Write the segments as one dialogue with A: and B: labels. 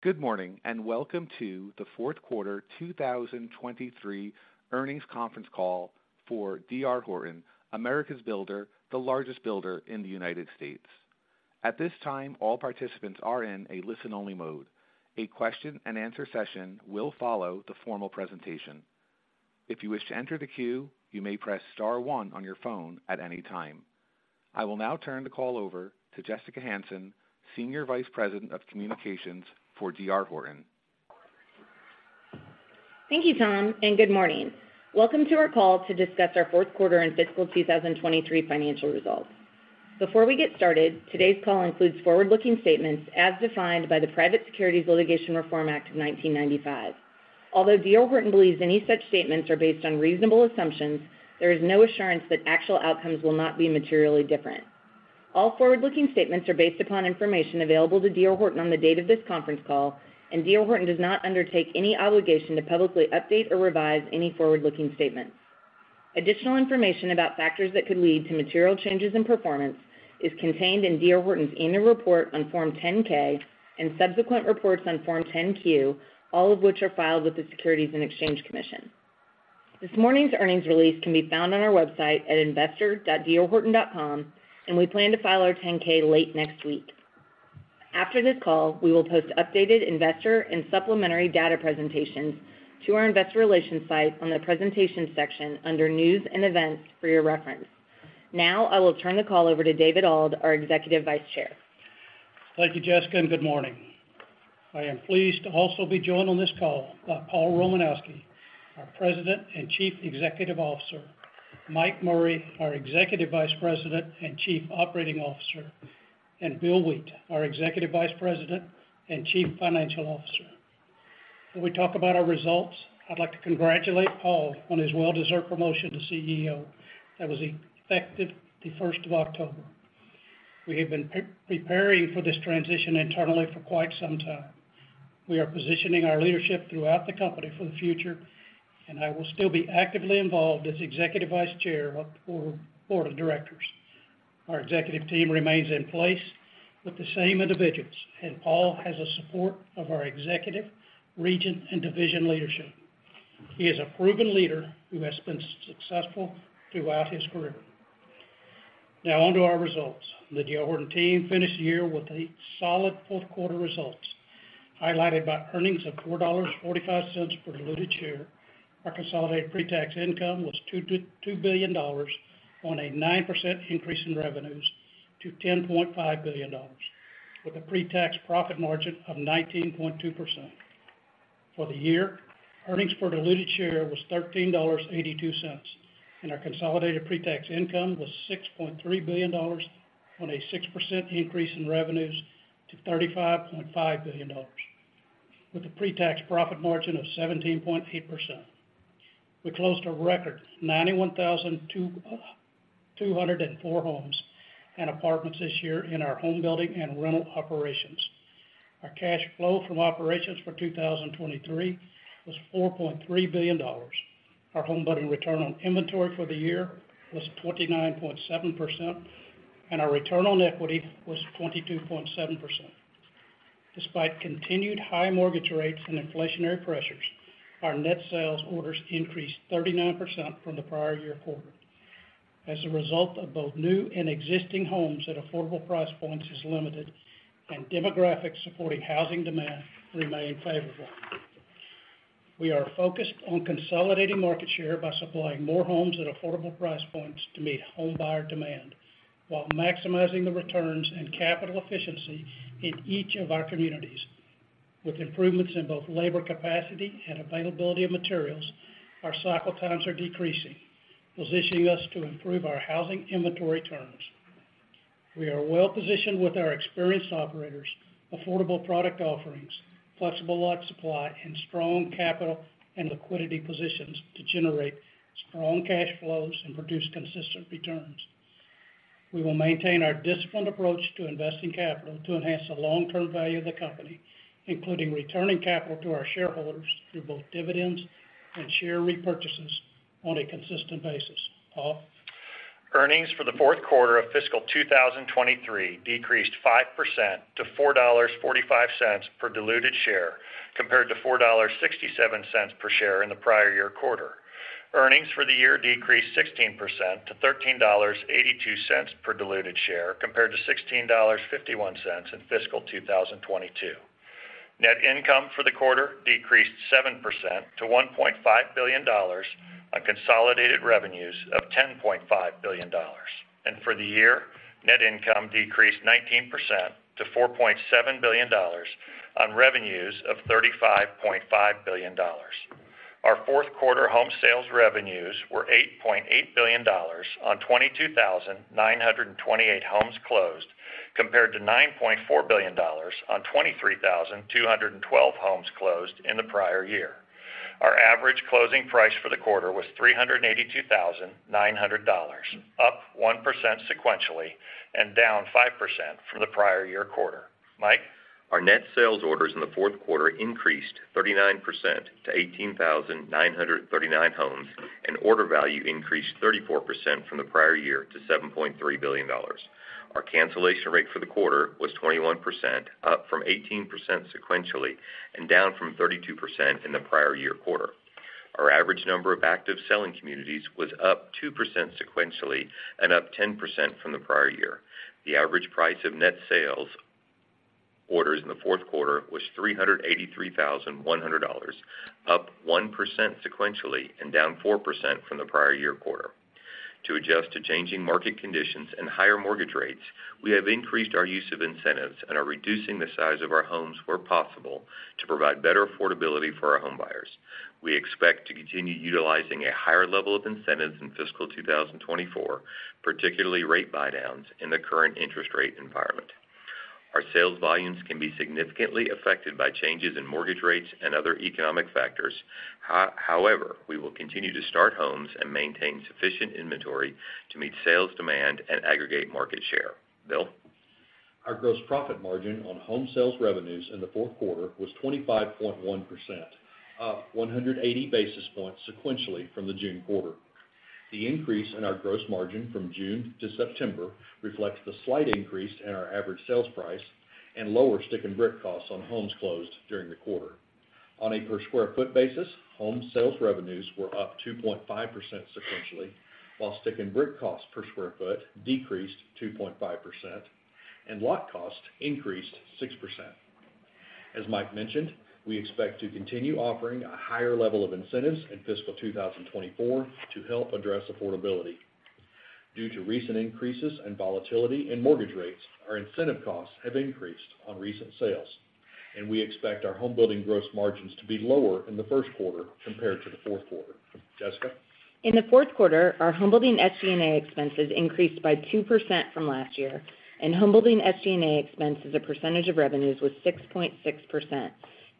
A: Good morning, and welcome to the fourth quarter 2023 earnings conference call for D.R. Horton, America's Builder, the largest builder in the United States. At this time, all participants are in a listen-only mode. A question-and-answer session will follow the formal presentation. If you wish to enter the queue, you may press star one on your phone at any time. I will now turn the call over to Jessica Hansen, Senior Vice President of Communications for D.R. Horton.
B: Thank you, Tom, and good morning. Welcome to our call to discuss our fourth quarter and fiscal 2023 financial results. Before we get started, today's call includes forward-looking statements as defined by the Private Securities Litigation Reform Act of 1995. Although D.R. Horton believes any such statements are based on reasonable assumptions, there is no assurance that actual outcomes will not be materially different. All forward-looking statements are based upon information available to D.R. Horton on the date of this conference call, and D.R. Horton does not undertake any obligation to publicly update or revise any forward-looking statements. Additional information about factors that could lead to material changes in performance is contained in D.R. Horton's annual report on Form 10-K and subsequent reports on Form 10-Q, all of which are filed with the Securities and Exchange Commission. This morning's earnings release can be found on our website at investor.drhorton.com, and we plan to file our 10-K late next week. After this call, we will post updated investor and supplementary data presentations to our investor relations site on the presentation section under News and Events for your reference. Now, I will turn the call over to David Auld, our Executive Vice Chair.
C: Thank you, Jessica, and good morning. I am pleased to also be joined on this call by Paul Romanowski, our President and Chief Executive Officer, Mike Murray, our Executive Vice President and Chief Operating Officer, and Bill Wheat, our Executive Vice President and Chief Financial Officer. When we talk about our results, I'd like to congratulate Paul on his well-deserved promotion to CEO. That was effective the first of October. We have been preparing for this transition internally for quite some time. We are positioning our leadership throughout the company for the future, and I will still be actively involved as Executive Vice Chair of the Board of Directors. Our executive team remains in place with the same individuals, and Paul has a support of our executive, region, and division leadership. He is a proven leader who has been successful throughout his career. Now, on to our results. The D.R. Horton team finished the year with a solid fourth-quarter results, highlighted by earnings of $4.45 per diluted share. Our consolidated pretax income was $2 billion on a 9% increase in revenues to $10.5 billion, with a pretax profit margin of 19.2%. For the year, earnings per diluted share was $13.82, and our consolidated pretax income was $6.3 billion on a 6% increase in revenues to $35.5 billion, with a pretax profit margin of 17.8%. We closed a record 91,204 homes and apartments this year in our homebuilding and rental operations. Our cash flow from operations for 2023 was $4.3 billion. Our homebuilding return on inventory for the year was 29.7%, and our return on equity was 22.7%. Despite continued high mortgage rates and inflationary pressures, our net sales orders increased 39% from the prior year quarter. The supply of both new and existing homes at affordable price points is limited, and demographics supporting housing demand remain favorable. We are focused on consolidating market share by supplying more homes at affordable price points to meet home buyer demand, while maximizing the returns and capital efficiency in each of our communities. With improvements in both labor capacity and availability of materials, our cycle times are decreasing, positioning us to improve our housing inventory turns. We are well-positioned with our experienced operators, affordable product offerings, flexible lot supply, and strong capital and liquidity positions to generate strong cash flows and produce consistent returns. We will maintain our disciplined approach to investing capital to enhance the long-term value of the company, including returning capital to our shareholders through both dividends and share repurchases on a consistent basis. Paul?
D: Earnings for the fourth quarter of fiscal 2023 decreased 5% to $4.45 per diluted share, compared to $4.67 per share in the prior year quarter. Earnings for the year decreased 16% to $13.82 per diluted share, compared to $16.51 in fiscal 2022. Net income for the quarter decreased 7% to $1.5 billion on consolidated revenues of $10.5 billion. For the year, net income decreased 19% to $4.7 billion on revenues of $35.5 billion. Our fourth quarter home sales revenues were $8.8 billion on 22,928 homes closed, compared to $9.4 billion on 23,212 homes closed in the prior year. Our average closing price for the quarter was $382,900, up 1% sequentially and down 5% from the prior year quarter. Mike?
E: Our net sales orders in the fourth quarter increased 39% to 18,939 homes, and order value increased 34% from the prior year to $7.3 billion. Our cancellation rate for the quarter was 21%, up from 18% sequentially and down from 32% in the prior year quarter... Our average number of active selling communities was up 2% sequentially and up 10% from the prior year. The average price of net sales orders in the fourth quarter was $383,100, up 1% sequentially and down 4% from the prior year quarter. To adjust to changing market conditions and higher mortgage rates, we have increased our use of incentives and are reducing the size of our homes where possible, to provide better affordability for our homebuyers. We expect to continue utilizing a higher level of incentives in fiscal 2024, particularly rate buydowns, in the current interest rate environment. Our sales volumes can be significantly affected by changes in mortgage rates and other economic factors. However, we will continue to start homes and maintain sufficient inventory to meet sales demand and aggregate market share. Bill?
F: Our gross profit margin on home sales revenues in the fourth quarter was 25.1%, up 180 basis points sequentially from the June quarter. The increase in our gross margin from June to September reflects the slight increase in our average sales price and lower stick and brick costs on homes closed during the quarter. On a per square foot basis, home sales revenues were up 2.5% sequentially, while stick and brick costs per square foot decreased 2.5%, and lot costs increased 6%. As Mike mentioned, we expect to continue offering a higher level of incentives in fiscal 2024 to help address affordability. Due to recent increases and volatility in mortgage rates, our incentive costs have increased on recent sales, and we expect our homebuilding gross margins to be lower in the first quarter compared to the fourth quarter. Jessica?
B: In the fourth quarter, our homebuilding SG&A expenses increased by 2% from last year, and homebuilding SG&A expense as a percentage of revenues was 6.6%,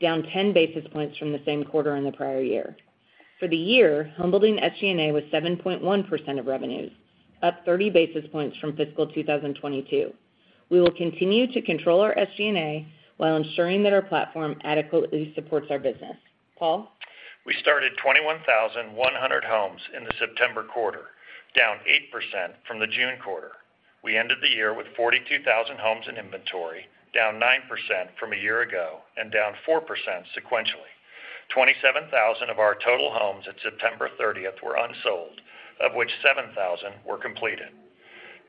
B: down 10 basis points from the same quarter in the prior year. For the year, homebuilding SG&A was 7.1% of revenues, up 30 basis points from fiscal 2022. We will continue to control our SG&A while ensuring that our platform adequately supports our business. Paul?
D: We started 21,100 homes in the September quarter, down 8% from the June quarter. We ended the year with 42,000 homes in inventory, down 9% from a year ago and down 4% sequentially. 27,000 of our total homes at September 30 were unsold, of which 7,000 were completed.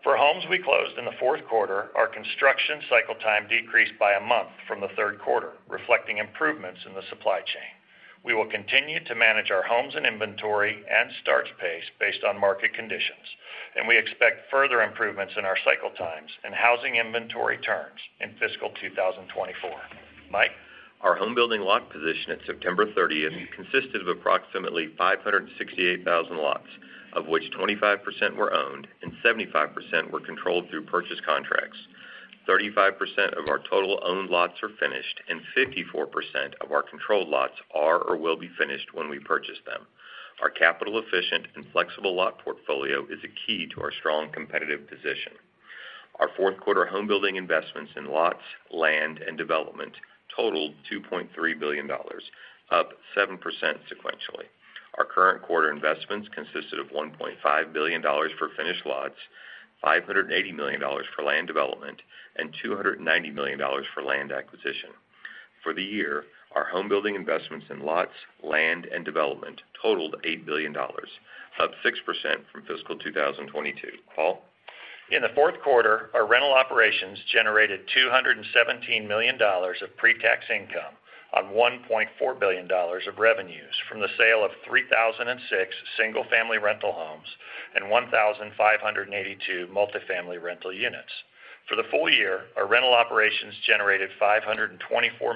D: For homes we closed in the fourth quarter, our construction cycle time decreased by a month from the third quarter, reflecting improvements in the supply chain. We will continue to manage our homes and inventory and starts pace based on market conditions, and we expect further improvements in our cycle times and housing inventory turns in fiscal 2024. Mike?
E: Our homebuilding lot position at September 30th consisted of approximately 568,000 lots, of which 25% were owned and 75% were controlled through purchase contracts. 35% of our total owned lots are finished, and 54% of our controlled lots are or will be finished when we purchase them. Our capital-efficient and flexible lot portfolio is a key to our strong competitive position. Our fourth quarter homebuilding investments in lots, land, and development totaled $2.3 billion, up 7% sequentially. Our current quarter investments consisted of $1.5 billion for finished lots, $580 million for land development, and $290 million for land acquisition. For the year, our homebuilding investments in lots, land, and development totaled $8 billion, up 6% from fiscal 2022. Paul?
D: In the fourth quarter, our rental operations generated $217 million of pretax income on $1.4 billion of revenues from the sale of 3,006 single-family rental homes and 1,582 multifamily rental units. For the full year, our rental operations generated $524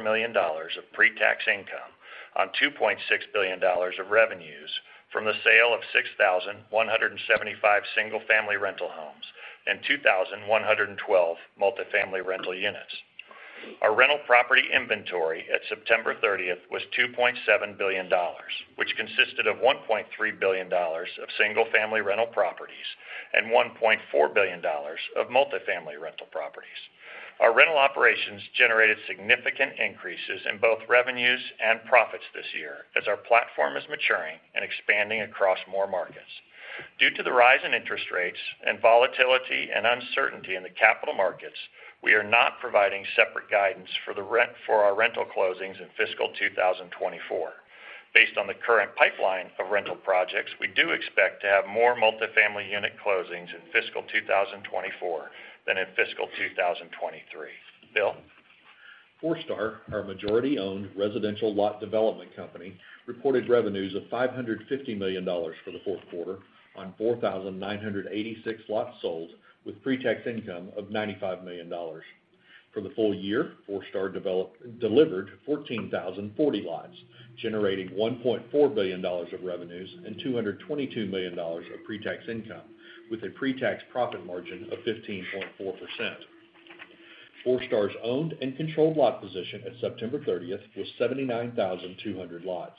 D: million of pretax income on $2.6 billion of revenues from the sale of 6,175 single-family rental homes and 2,112 multifamily rental units. Our rental property inventory at September 30th was $2.7 billion, which consisted of $1.3 billion of single-family rental properties and $1.4 billion of multifamily rental properties. Our rental operations generated significant increases in both revenues and profits this year as our platform is maturing and expanding across more markets. Due to the rise in interest rates and volatility and uncertainty in the capital markets, we are not providing separate guidance for our rental closings in fiscal 2024. Based on the current pipeline of rental projects, we do expect to have more multifamily unit closings in fiscal 2024 than in fiscal 2023. Bill?
F: Forestar, our majority-owned residential lot development company, reported revenues of $550 million for the fourth quarter on 4,986 lots sold with pretax income of $95 million. For the full year, Forestar delivered 14,040 lots, generating $1.4 billion of revenues and $222 million of pretax income, with a pretax profit margin of 15.4%. Forestar's owned and controlled lot position at September 30 was 79,200 lots.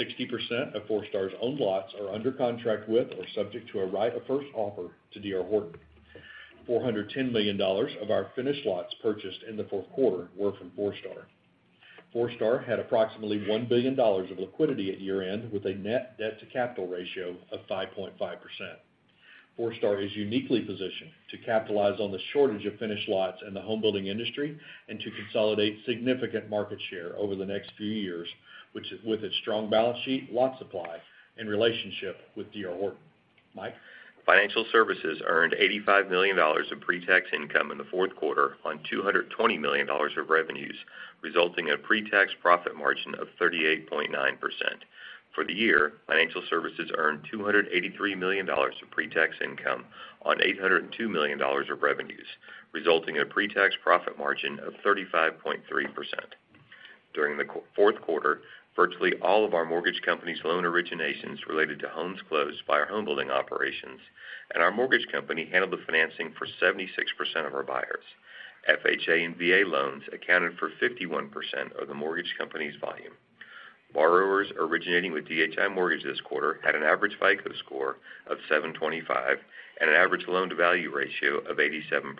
F: 60% of Forestar's owned lots are under contract with or subject to a right of first offer to D.R. Horton. $410 million of our finished lots purchased in the fourth quarter were from Forestar. Forestar had approximately $1 billion of liquidity at year-end, with a net debt-to-capital ratio of 5.5%.... Forestar is uniquely positioned to capitalize on the shortage of finished lots in the homebuilding industry and to consolidate significant market share over the next few years, which, with its strong balance sheet, lot supply, and relationship with D.R. Horton. Mike?
E: Financial Services earned $85 million of pretax income in the fourth quarter on $220 million of revenues, resulting in a pretax profit margin of 38.9%. For the year, Financial Services earned $283 million of pretax income on $802 million of revenues, resulting in a pretax profit margin of 35.3%. During the fourth quarter, virtually all of our mortgage company's loan originations related to homes closed by our homebuilding operations, and our mortgage company handled the financing for 76% of our buyers. FHA and VA loans accounted for 51% of the mortgage company's volume. Borrowers originating with DHI Mortgage this quarter had an average FICO score of 725 and an average loan-to-value ratio of 87%.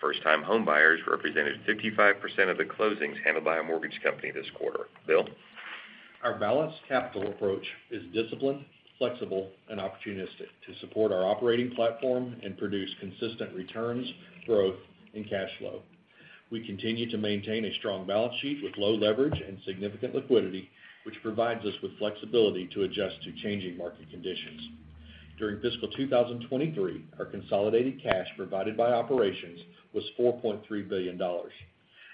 E: First-time homebuyers represented 55% of the closings handled by our mortgage company this quarter. Bill?
F: Our balanced capital approach is disciplined, flexible, and opportunistic to support our operating platform and produce consistent returns, growth, and cash flow. We continue to maintain a strong balance sheet with low leverage and significant liquidity, which provides us with flexibility to adjust to changing market conditions. During fiscal 2023, our consolidated cash provided by operations was $4.3 billion,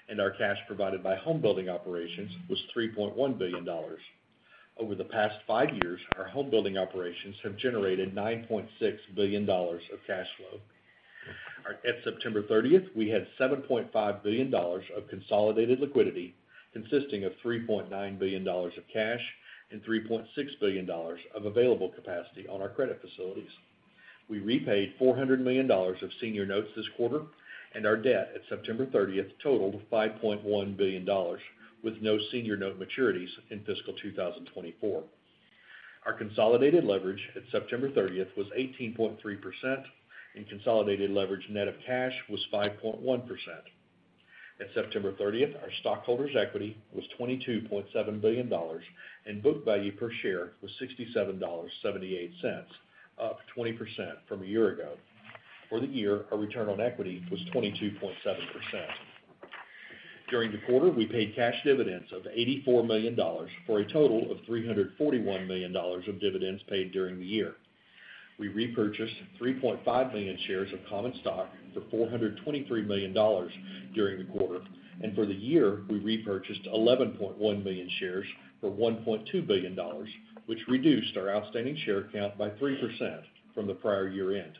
F: and our cash provided by homebuilding operations was $3.1 billion. Over the past five years, our homebuilding operations have generated $9.6 billion of cash flow. At September 30, we had $7.5 billion of consolidated liquidity, consisting of $3.9 billion of cash and $3.6 billion of available capacity on our credit facilities. We repaid $400 million of senior notes this quarter, and our debt at September 30 totaled $5.1 billion, with no senior note maturities in fiscal 2024. Our consolidated leverage at September 30 was 18.3%, and consolidated leverage net of cash was 5.1%. At September 30, our stockholders' equity was $22.7 billion, and book value per share was $67.78, up 20% from a year ago. For the year, our return on equity was 22.7%. During the quarter, we paid cash dividends of $84 million, for a total of $341 million of dividends paid during the year. We repurchased 3.5 million shares of common stock for $423 million during the quarter, and for the year, we repurchased 11.1 million shares for $1.2 billion, which reduced our outstanding share count by 3% from the prior year-end.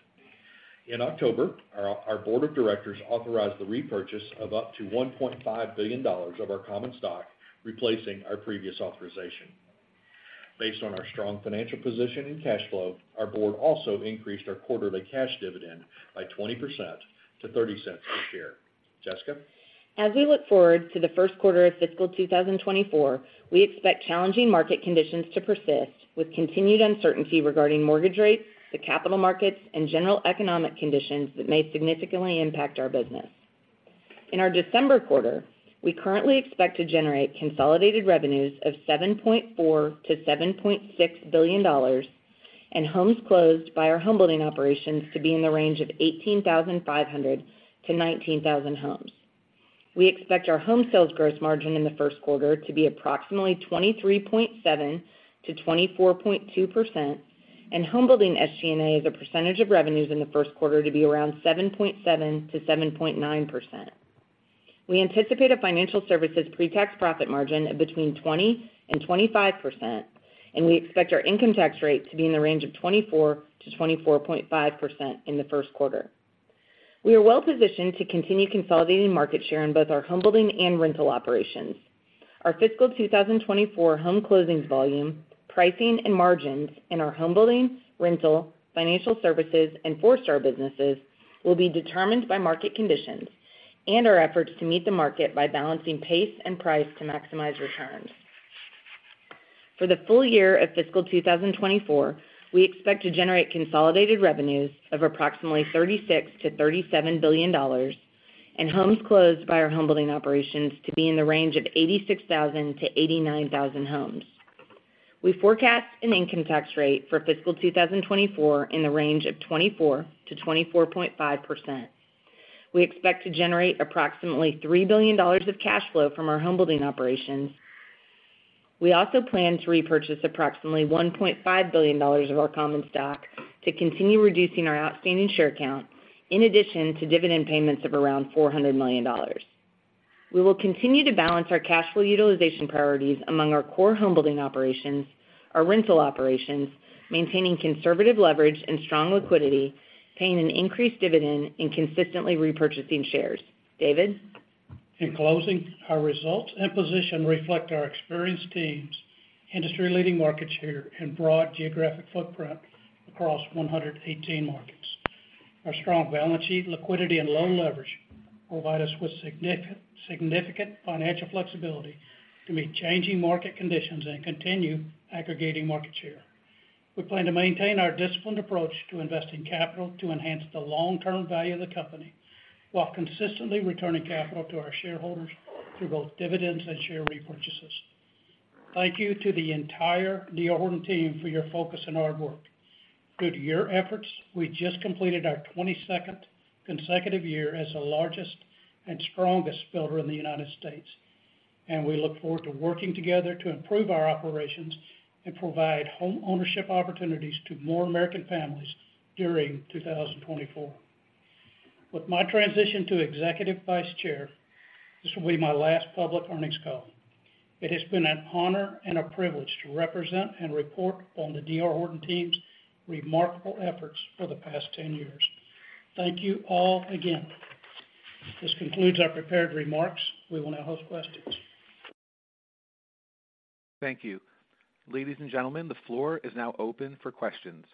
F: In October, our Board of Directors authorized the repurchase of up to $1.5 billion of our common stock, replacing our previous authorization. Based on our strong financial position and cash flow, our board also increased our quarterly cash dividend by 20% to $0.30 per share. Jessica?
B: As we look forward to the first quarter of fiscal 2024, we expect challenging market conditions to persist, with continued uncertainty regarding mortgage rates, the capital markets, and general economic conditions that may significantly impact our business. In our December quarter, we currently expect to generate consolidated revenues of $7.4 billion-$7.6 billion, and homes closed by our homebuilding operations to be in the range of 18,500-19,000 homes. We expect our home sales gross margin in the first quarter to be approximately 23.7%-24.2%, and homebuilding SG&A as a percentage of revenues in the first quarter to be around 7.7%-7.9%. We anticipate a financial services pretax profit margin of between 20% and 25%, and we expect our income tax rate to be in the range of 24%-24.5% in the first quarter. We are well positioned to continue consolidating market share in both our homebuilding and rental operations. Our fiscal 2024 home closings volume, pricing, and margins in our homebuilding, rental, financial services, and Forestar businesses will be determined by market conditions and our efforts to meet the market by balancing pace and price to maximize returns. For the full year of fiscal 2024, we expect to generate consolidated revenues of approximately $36 billion-$37 billion and homes closed by our homebuilding operations to be in the range of 86,000-89,000 homes. We forecast an income tax rate for fiscal 2024 in the range of 24%-24.5%. We expect to generate approximately $3 billion of cash flow from our homebuilding operations. We also plan to repurchase approximately $1.5 billion of our common stock to continue reducing our outstanding share count, in addition to dividend payments of around $400 million. We will continue to balance our cash flow utilization priorities among our core homebuilding operations, our rental operations, maintaining conservative leverage and strong liquidity, paying an increased dividend, and consistently repurchasing shares. David?
C: In closing, our results and position reflect our experienced teams, industry-leading market share, and broad geographic footprint across 118 markets. Our strong balance sheet, liquidity, and low leverage provide us with significant financial flexibility to meet changing market conditions and continue aggregating market share. We plan to maintain our disciplined approach to investing capital to enhance the long-term value of the company, while consistently returning capital to our shareholders through both dividends and share repurchases....
G: Thank you to the entire D.R. Horton team for your focus and hard work. Due to your efforts, we just completed our 22nd consecutive year as the largest and strongest builder in the United States, and we look forward to working together to improve our operations and provide homeownership opportunities to more American families during 2024. With my transition to Executive Vice Chair, this will be my last public earnings call. It has been an honor and a privilege to represent and report on the D.R. Horton team's remarkable efforts for the past 10 years. Thank you all again. This concludes our prepared remarks. We will now host questions.
A: Thank you. Ladies and gentlemen, the floor is now open for questions.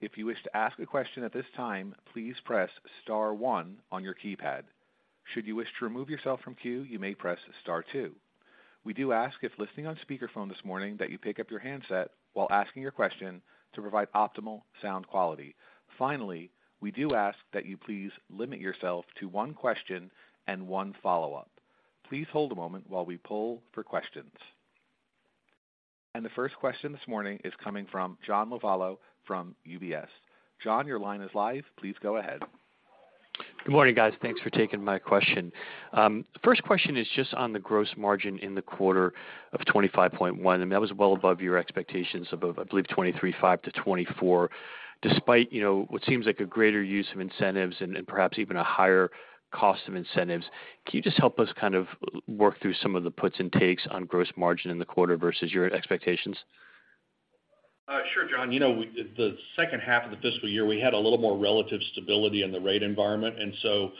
A: If you wish to ask a question at this time, please press star 1 on your keypad. Should you wish to remove yourself from queue, you may press star 2. We do ask, if listening on speakerphone this morning, that you pick up your handset while asking your question to provide optimal sound quality. Finally, we do ask that you please limit yourself to one question and one follow-up. Please hold a moment while we poll for questions. The first question this morning is coming from John Lovallo from UBS. John, your line is live. Please go ahead.
H: Good morning, guys. Thanks for taking my question. The first question is just on the gross margin in the quarter of 25.1%, and that was well above your expectations of, I believe, 23.5%-24%, despite, you know, what seems like a greater use of incentives and, and perhaps even a higher cost of incentives. Can you just help us kind of work through some of the puts and takes on gross margin in the quarter versus your expectations?
F: Sure, John. You know, we, the second half of the fiscal year, we had a little more relative stability in the rate environment, and so,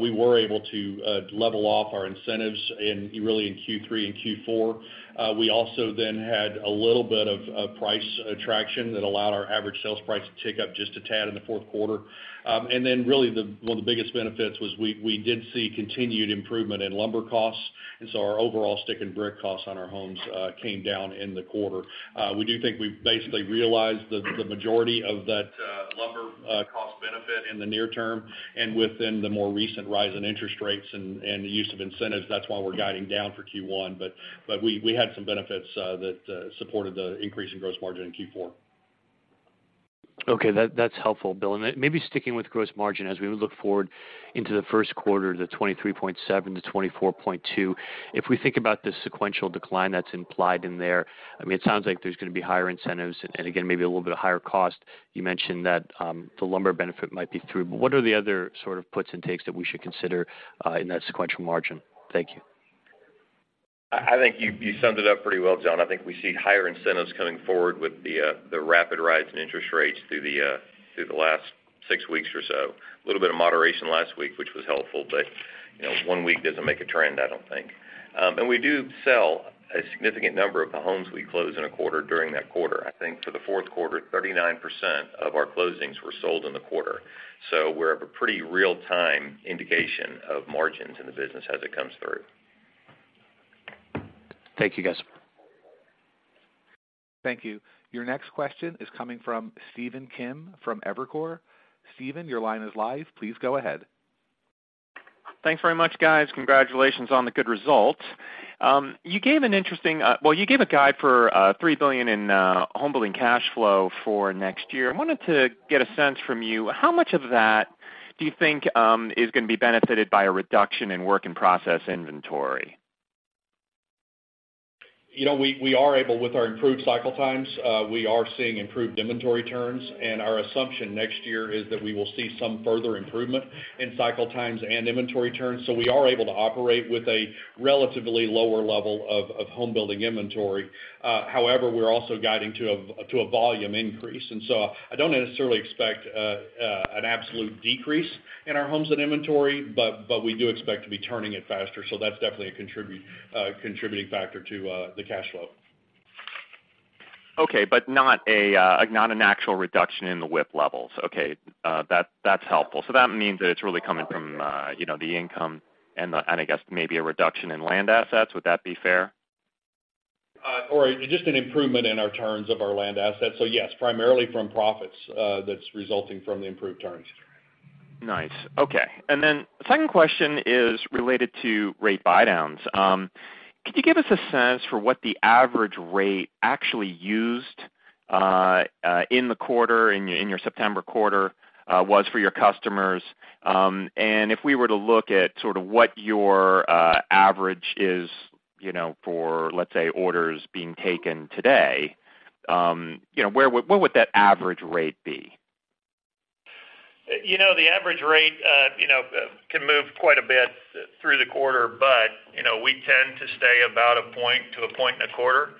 F: we were able to level off our incentives in, really in Q3 and Q4. We also then had a little bit of price attraction that allowed our average sales price to tick up just a tad in the fourth quarter. And then really, the one of the biggest benefits was we did see continued improvement in lumber costs, and so our overall stick and brick costs on our homes came down in the quarter. We do think we've basically realized the majority of that lumber cost benefit in the near term and within the more recent rise in interest rates and the use of incentives. That's why we're guiding down for Q1. But we had some benefits that supported the increase in gross margin in Q4.
H: Okay, that's helpful, Bill. Then maybe sticking with gross margin, as we look forward into the first quarter, the 23.7%-24.2%. If we think about the sequential decline that's implied in there, I mean, it sounds like there's going to be higher incentives and again, maybe a little bit of higher cost. You mentioned that the lumber benefit might be through, but what are the other sort of puts and takes that we should consider in that sequential margin? Thank you.
F: I think you summed it up pretty well, John. I think we see higher incentives coming forward with the rapid rise in interest rates through the last six weeks or so. A little bit of moderation last week, which was helpful, but, you know, one week doesn't make a trend, I don't think. And we do sell a significant number of the homes we close in a quarter during that quarter. I think for the fourth quarter, 39% of our closings were sold in the quarter. So we're of a pretty real-time indication of margins in the business as it comes through.
D: Thank you, guys.
A: Thank you. Your next question is coming from Stephen Kim from Evercore. Stephen, your line is live. Please go ahead.
G: Thanks very much, guys. Congratulations on the good results. Well, you gave a guide for $3 billion in homebuilding cash flow for next year. I wanted to get a sense from you, how much of that do you think is going to be benefited by a reduction in work and process inventory?
F: You know, we are able, with our improved cycle times, we are seeing improved inventory turns, and our assumption next year is that we will see some further improvement in cycle times and inventory turns. So we are able to operate with a relatively lower level of homebuilding inventory. However, we're also guiding to a volume increase, and so I don't necessarily expect an absolute decrease in our homes and inventory, but we do expect to be turning it faster. So that's definitely a contributing factor to the cash flow.
G: Okay, but not an actual reduction in the WIP levels. Okay, that's, that's helpful. So that means that it's really coming from, you know, the income and the, and I guess maybe a reduction in land assets. Would that be fair?
F: Or just an improvement in our turns of our land assets. So yes, primarily from profits, that's resulting from the improved turns.
G: Nice. Okay, and then the second question is related to rate buydo wns. Could you give us a sense for what the average rate actually used in the quarter, in your September quarter, was for your customers? And if we were to look at sort of what your average is, you know, for, let's say, orders being taken today, you know, what would that average rate be?
D: You know, the average rate, you know, can move quite a bit through the quarter, but, you know, we tend to stay about 1%-1.25%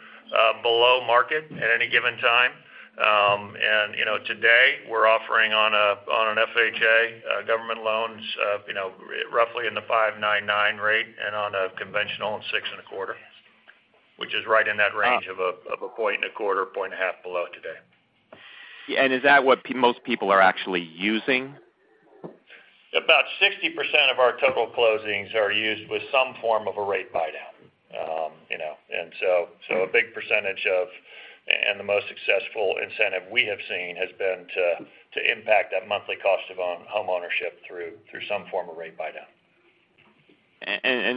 D: below market at any given time. And, you know, today we're offering on an FHA government loans, you know, roughly in the 5.99% rate, and on a conventional, 6.25%, which is right in that range of a 1.25%, 1.5% below today.
G: And is that what most people are actually using?
D: About 60% of our total closings are used with some form of a rate buydown. You know, and so a big percentage of, and the most successful incentive we have seen, has been to impact that monthly cost of homeownership through some form of rate buydown.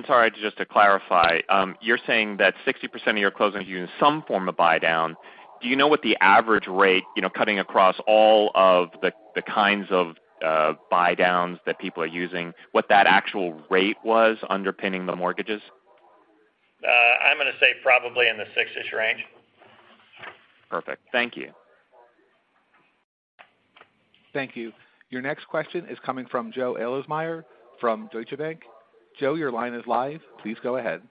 I: Sorry, just to clarify, you're saying that 60% of your closings use some form of buydown. Do you know what the average rate, you know, cutting across all of the kinds of buydowns that people are using, what that actual rate was underpinning the mortgages?
J: I'm going to say probably in the six-ish range.
I: Perfect. Thank you.
A: Thank you. Your next question is coming from Joe Ahlersmeyer from Deutsche Bank. Joe, your line is live. Please go ahead.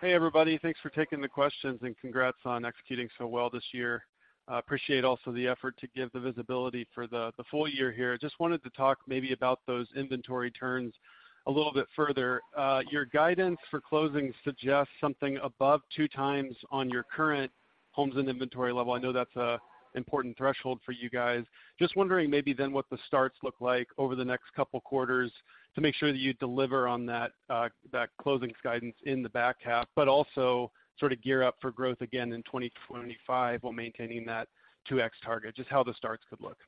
K: Hey, everybody. Thanks for taking the questions, and congrats on executing so well this year. I appreciate also the effort to give the visibility for the full year here. Just wanted to talk maybe about those inventory turns a little bit further. Your guidance for closings suggests something above 2 times on your current homes and inventory level. I know that's an important threshold for you guys. Just wondering maybe then, what the starts look like over the next couple of quarters to make sure that you deliver on that closings guidance in the back half, but also sort of gear up for growth again in 2025, while maintaining that 2x target, just how the starts could look.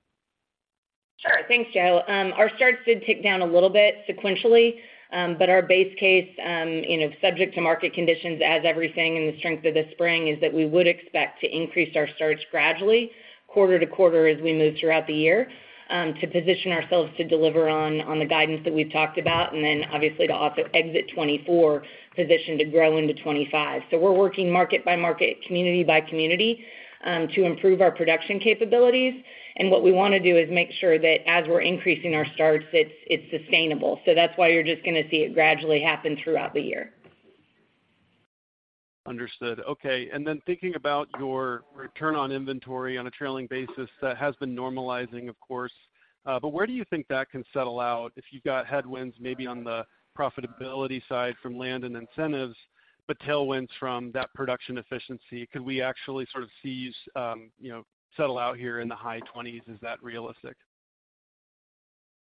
B: Sure. Thanks, Joe. Our starts did tick down a little bit sequentially, but our base case, you know, subject to market conditions, as everything in the strength of the spring, is that we would expect to increase our starts gradually quarter to quarter as we move throughout the year, to position ourselves to deliver on the guidance that we've talked about, and then obviously to also exit 2024, positioned to grow into 2025. So we're working market by market, community by community, to improve our production capabilities. And what we want to do is make sure that as we're increasing our starts, it's sustainable. So that's why you're just going to see it gradually happen throughout the year.
K: Understood. Okay, and then thinking about your return on inventory on a trailing basis, that has been normalizing, of course, but where do you think that can settle out if you've got headwinds, maybe on the profitability side from land and incentives, but tailwinds from that production efficiency? Could we actually sort of see, you know, settle out here in the high twenties? Is that realistic?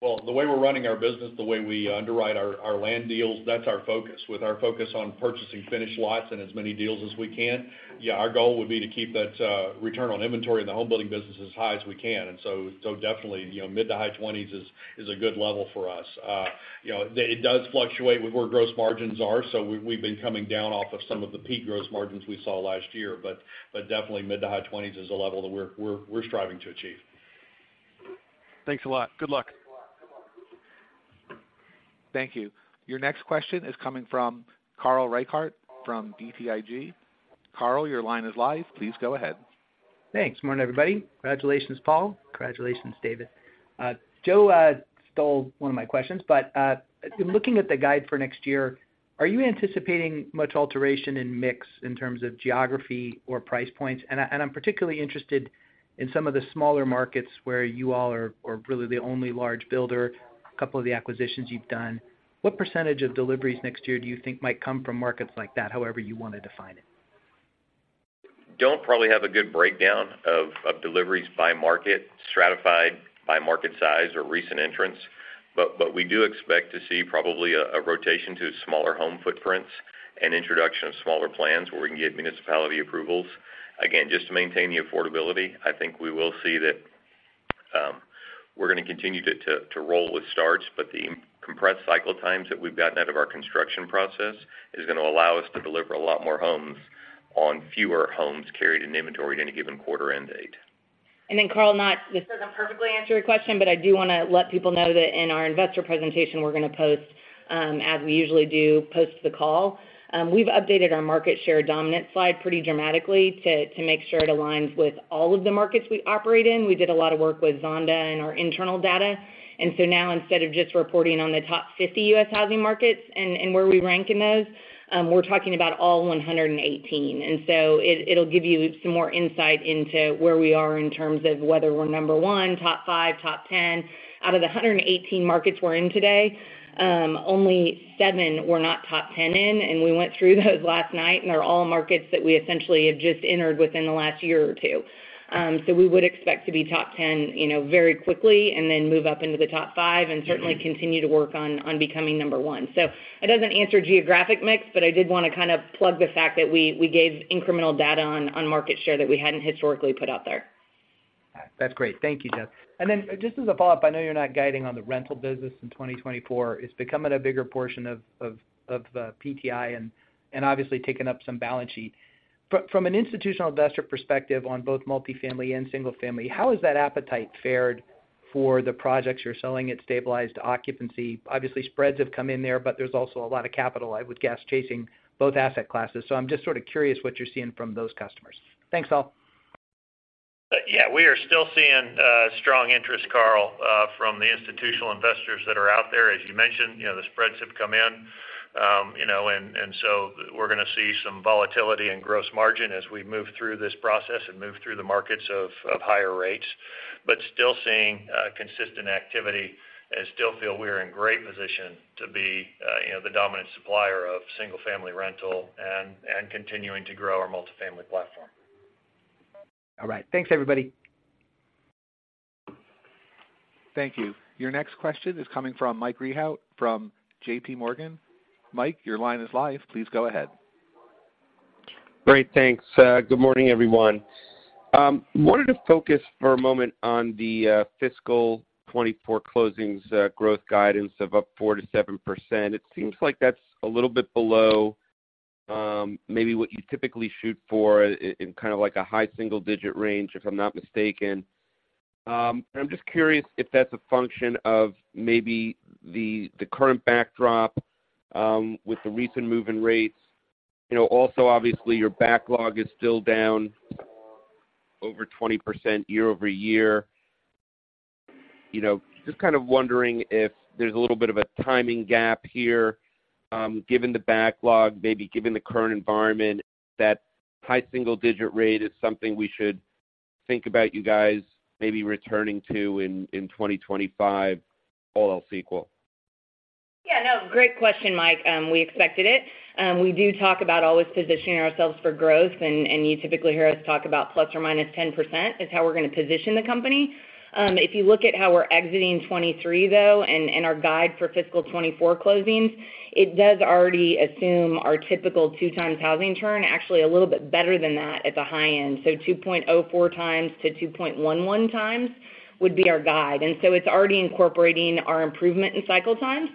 J: Well, the way we're running our business, the way we underwrite our, our land deals, that's our focus. With our focus on purchasing finished lots and as many deals as we can, yeah, our goal would be to keep that return on inventory in the homebuilding business as high as we can. And so, definitely, you know, mid- to high 20s is a good level for us. You know, it does fluctuate with where gross margins are. So we've been coming down off of some of the peak gross margins we saw last year, but definitely mid- to high 20s is a level that we're striving to achieve.
K: Thanks a lot. Good luck.
A: Thank you. Your next question is coming from Carl Reichardt from BTIG. Carl, your line is live. Please go ahead.
L: Thanks. Morning, everybody. Congratulations, Paul. Congratulations, David. Joe stole one of my questions, but in looking at the guide for next year, are you anticipating much alteration in mix in terms of geography or price points? And I'm particularly interested in some of the smaller markets where you all are really the only large builder, a couple of the acquisitions you've done. What percentage of deliveries next year do you think might come from markets like that, however you want to define it?
J: don't probably have a good breakdown of deliveries by market, stratified by market size or recent entrants, but we do expect to see probably a rotation to smaller home footprints and introduction of smaller plans where we can get municipality approvals. Again, just to maintain the affordability, I think we will see that, we're going to continue to roll with starts, but the compressed cycle times that we've gotten out of our construction process is going to allow us to deliver a lot more homes on fewer homes carried in inventory at any given quarter end date.
B: Then, Carl, not this doesn't perfectly answer your question, but I do want to let people know that in our investor presentation, we're going to post, as we usually do, post the call. We've updated our market share dominant slide pretty dramatically to make sure it aligns with all of the markets we operate in. We did a lot of work with Zonda and our internal data, and so now, instead of just reporting on the top 50 U.S. housing markets and where we rank in those, we're talking about all 118. And so it'll give you some more insight into where we are in terms of whether we're number one, top five, top 10. Out of the 118 markets we're in today, only 7 we're not top 10 in, and we went through those last night, and they're all markets that we essentially have just entered within the last year or 2. So we would expect to be top 10, you know, very quickly and then move up into the top 5, and certainly continue to work on becoming number 1. So it doesn't answer geographic mix, but I did want to kind of plug the fact that we gave incremental data on market share that we hadn't historically put out there.
L: That's great. Thank you, Jess. And then just as a follow-up, I know you're not guiding on the rental business in 2024. It's becoming a bigger portion of PTI and obviously taking up some balance sheet. From an institutional investor perspective on both multifamily and single-family, how has that appetite fared for the projects you're selling at stabilized occupancy? Obviously, spreads have come in there, but there's also a lot of capital, I would guess, chasing both asset classes. So I'm just sort of curious what you're seeing from those customers. Thanks, all.
J: Yeah, we are still seeing strong interest, Carl, from the institutional investors that are out there. As you mentioned, you know, the spreads have come in, you know, and, and so we're going to see some volatility in gross margin as we move through this process and move through the markets of higher rates, but still seeing consistent activity and still feel we're in great position to be, you know, the dominant supplier of single-family rental and continuing to grow our multifamily platform.
L: All right. Thanks, everybody.
A: Thank you. Your next question is coming from Mike Rehaut from JP Morgan. Mike, your line is live. Please go ahead....
M: Great, thanks. Good morning, everyone. Wanted to focus for a moment on the fiscal 2024 closings growth guidance of up 4%-7%. It seems like that's a little bit below maybe what you typically shoot for in kind of like a high single-digit range, if I'm not mistaken. I'm just curious if that's a function of maybe the current backdrop with the recent move in rates. You know, also, obviously, your backlog is still down over 20% year-over-year. You know, just kind of wondering if there's a little bit of a timing gap here, given the backlog, maybe given the current environment, that high single-digit rate is something we should think about you guys maybe returning to in 2025, all else equal.
B: Yeah, no, great question, Mike. We expected it. We do talk about always positioning ourselves for growth, and you typically hear us talk about plus or minus 10% is how we're going to position the company. If you look at how we're exiting 2023, though, and our guide for fiscal 2024 closings, it does already assume our typical 2 times housing turn, actually a little bit better than that at the high end. So 2.04 times-2.11 times would be our guide. And so it's already incorporating our improvement in cycle times.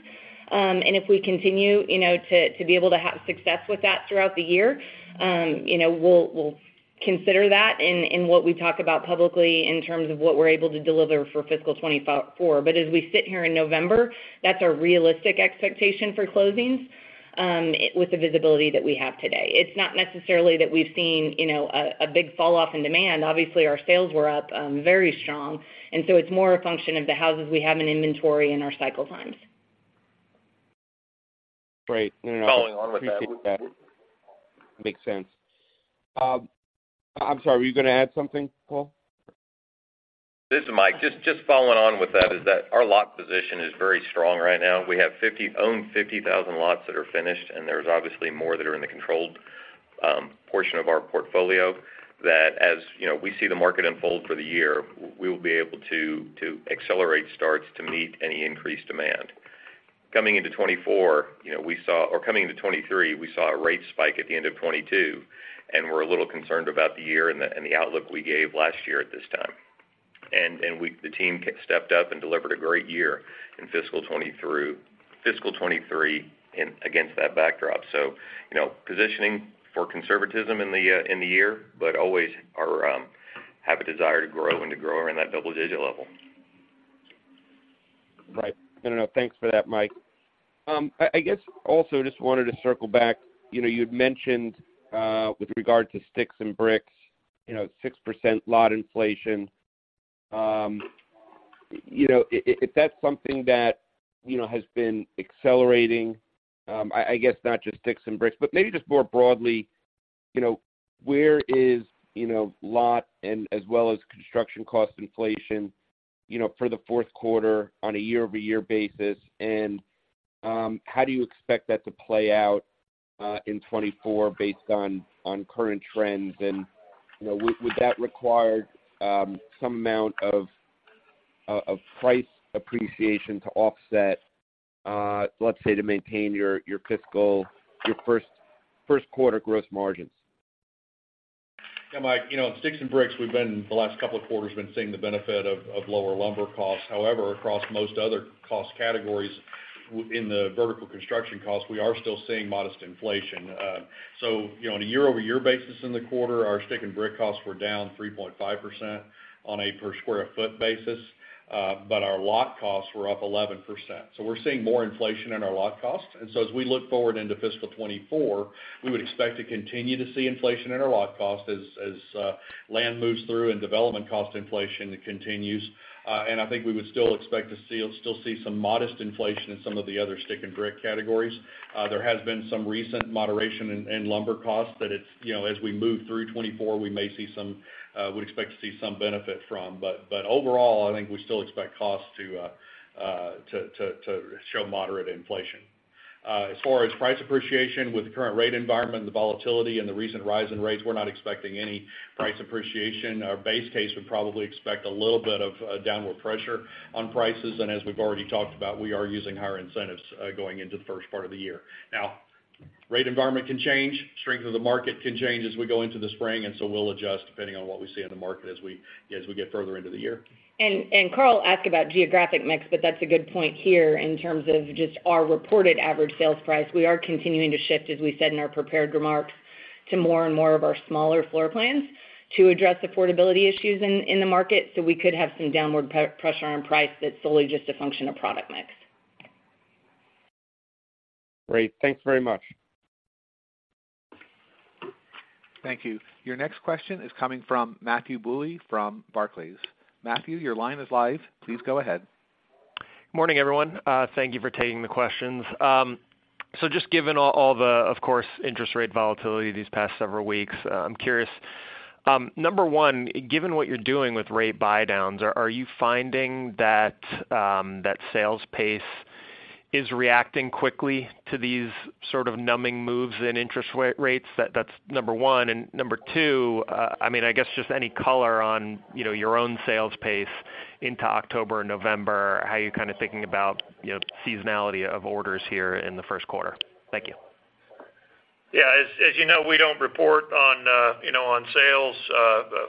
B: And if we continue, you know, to be able to have success with that throughout the year, you know, we'll consider that in what we talk about publicly in terms of what we're able to deliver for fiscal 2024. But as we sit here in November, that's our realistic expectation for closings, with the visibility that we have today. It's not necessarily that we've seen, you know, a big falloff in demand. Obviously, our sales were up very strong, and so it's more a function of the houses we have in inventory and our cycle times.
M: Great.
E: Following on with that-
M: Appreciate that. Makes sense. I'm sorry, were you going to add something, Carl?
E: This is Mike. Just following on with that, that our lot position is very strong right now. We have 50,000 lots that are finished, and there's obviously more that are in the controlled portion of our portfolio, that as, you know, we see the market unfold for the year, we will be able to accelerate starts to meet any increased demand. Coming into 2024, you know, we saw, or coming into 2023, we saw a rate spike at the end of 2022, and we're a little concerned about the year and the, and the outlook we gave last year at this time. And the team stepped up and delivered a great year in fiscal 2023 against that backdrop. So, you know, positioning for conservatism in the year, but always are, have a desire to grow and to grow around that double-digit level.
M: Right. No, no, thanks for that, Mike. I guess also just wanted to circle back. You know, you'd mentioned with regard to sticks and bricks, you know, 6% lot inflation. You know, if that's something that, you know, has been accelerating, I guess not just sticks and bricks, but maybe just more broadly, you know, where is, you know, lot and as well as construction cost inflation, you know, for the fourth quarter on a year-over-year basis? And, how do you expect that to play out in 2024 based on current trends? And, you know, would that require some amount of price appreciation to offset, let's say, to maintain your fiscal first quarter growth margins?
F: Yeah, Mike, you know, sticks and bricks, we've been, the last couple of quarters, been seeing the benefit of lower lumber costs. However, across most other cost categories in the vertical construction costs, we are still seeing modest inflation. So, you know, on a year-over-year basis in the quarter, our stick and brick costs were down 3.5% on a per sq ft basis, but our lot costs were up 11%. So we're seeing more inflation in our lot costs. And so as we look forward into fiscal 2024, we would expect to continue to see inflation in our lot costs as land moves through and development cost inflation continues. And I think we would still expect to see, still see some modest inflation in some of the other stick and brick categories. There has been some recent moderation in lumber costs that it's—you know, as we move through 2024, we may see some, we expect to see some benefit from. But, but overall, I think we still expect costs to show moderate inflation. As far as price appreciation, with the current rate environment, the volatility and the recent rise in rates, we're not expecting any price appreciation. Our base case would probably expect a little bit of downward pressure on prices. And as we've already talked about, we are using higher incentives going into the first part of the year. Now, rate environment can change, strength of the market can change as we go into the spring, and so we'll adjust depending on what we see in the market as we get further into the year.
B: Carl asked about geographic mix, but that's a good point here in terms of just our reported average sales price. We are continuing to shift, as we said in our prepared remarks, to more and more of our smaller floor plans to address affordability issues in the market. So we could have some downward pressure on price that's solely just a function of product mix.
M: Great. Thanks very much.
A: Thank you. Your next question is coming from Matthew Bouley from Barclays. Matthew, your line is live. Please go ahead.
N: Morning, everyone. Thank you for taking the questions. So just given all the, of course, interest rate volatility these past several weeks, I'm curious, number one, given what you're doing with rate buydowns, are you finding that that sales pace is reacting quickly to these sort of numbing moves in interest rates? That's number one, and number two, I mean, I guess just any color on, you know, your own sales pace into October and November, how you're kind of thinking about, you know, seasonality of orders here in the first quarter. Thank you....
D: Yeah, as, as you know, we don't report on, you know, on sales,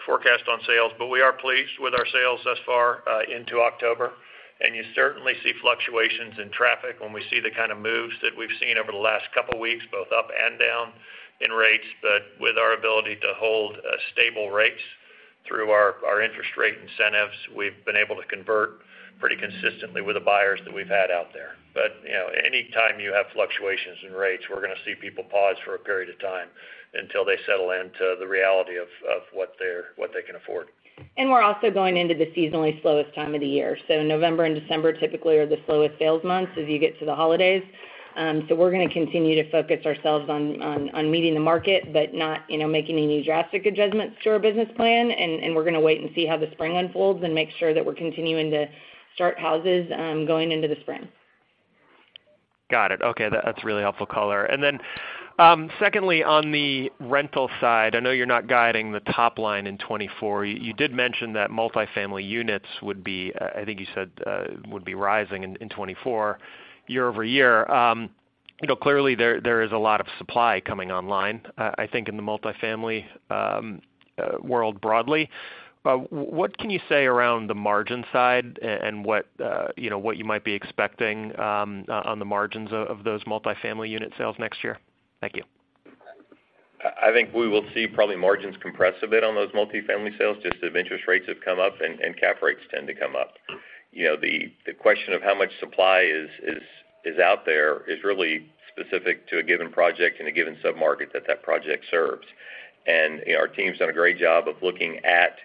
D: forecast on sales, but we are pleased with our sales thus far, into October. And you certainly see fluctuations in traffic when we see the kind of moves that we've seen over the last couple weeks, both up and down in rates. But with our ability to hold, stable rates through our, our interest rate incentives, we've been able to convert pretty consistently with the buyers that we've had out there. But, you know, anytime you have fluctuations in rates, we're going to see people pause for a period of time until they settle into the reality of, of what they're-- what they can afford.
B: We're also going into the seasonally slowest time of the year. So November and December typically are the slowest sales months as you get to the holidays. So we're going to continue to focus ourselves on meeting the market, but not, you know, making any drastic adjustments to our business plan. And we're going to wait and see how the spring unfolds and make sure that we're continuing to start houses going into the spring.
N: Got it. Okay, that's really helpful color. And then, secondly, on the rental side, I know you're not guiding the top line in 2024. You, you did mention that multifamily units would be, I think you said, would be rising in, in 2024 year-over-year. You know, clearly, there, there is a lot of supply coming online, I think in the multifamily, world broadly. What can you say around the margin side and what, you know, what you might be expecting, on the margins of, of those multifamily unit sales next year? Thank you.
E: I think we will see probably margins compress a bit on those multifamily sales, just as interest rates have come up and cap rates tend to come up. You know, the question of how much supply is out there is really specific to a given project in a given submarket that project serves. And, you know, our team's done a great job of looking at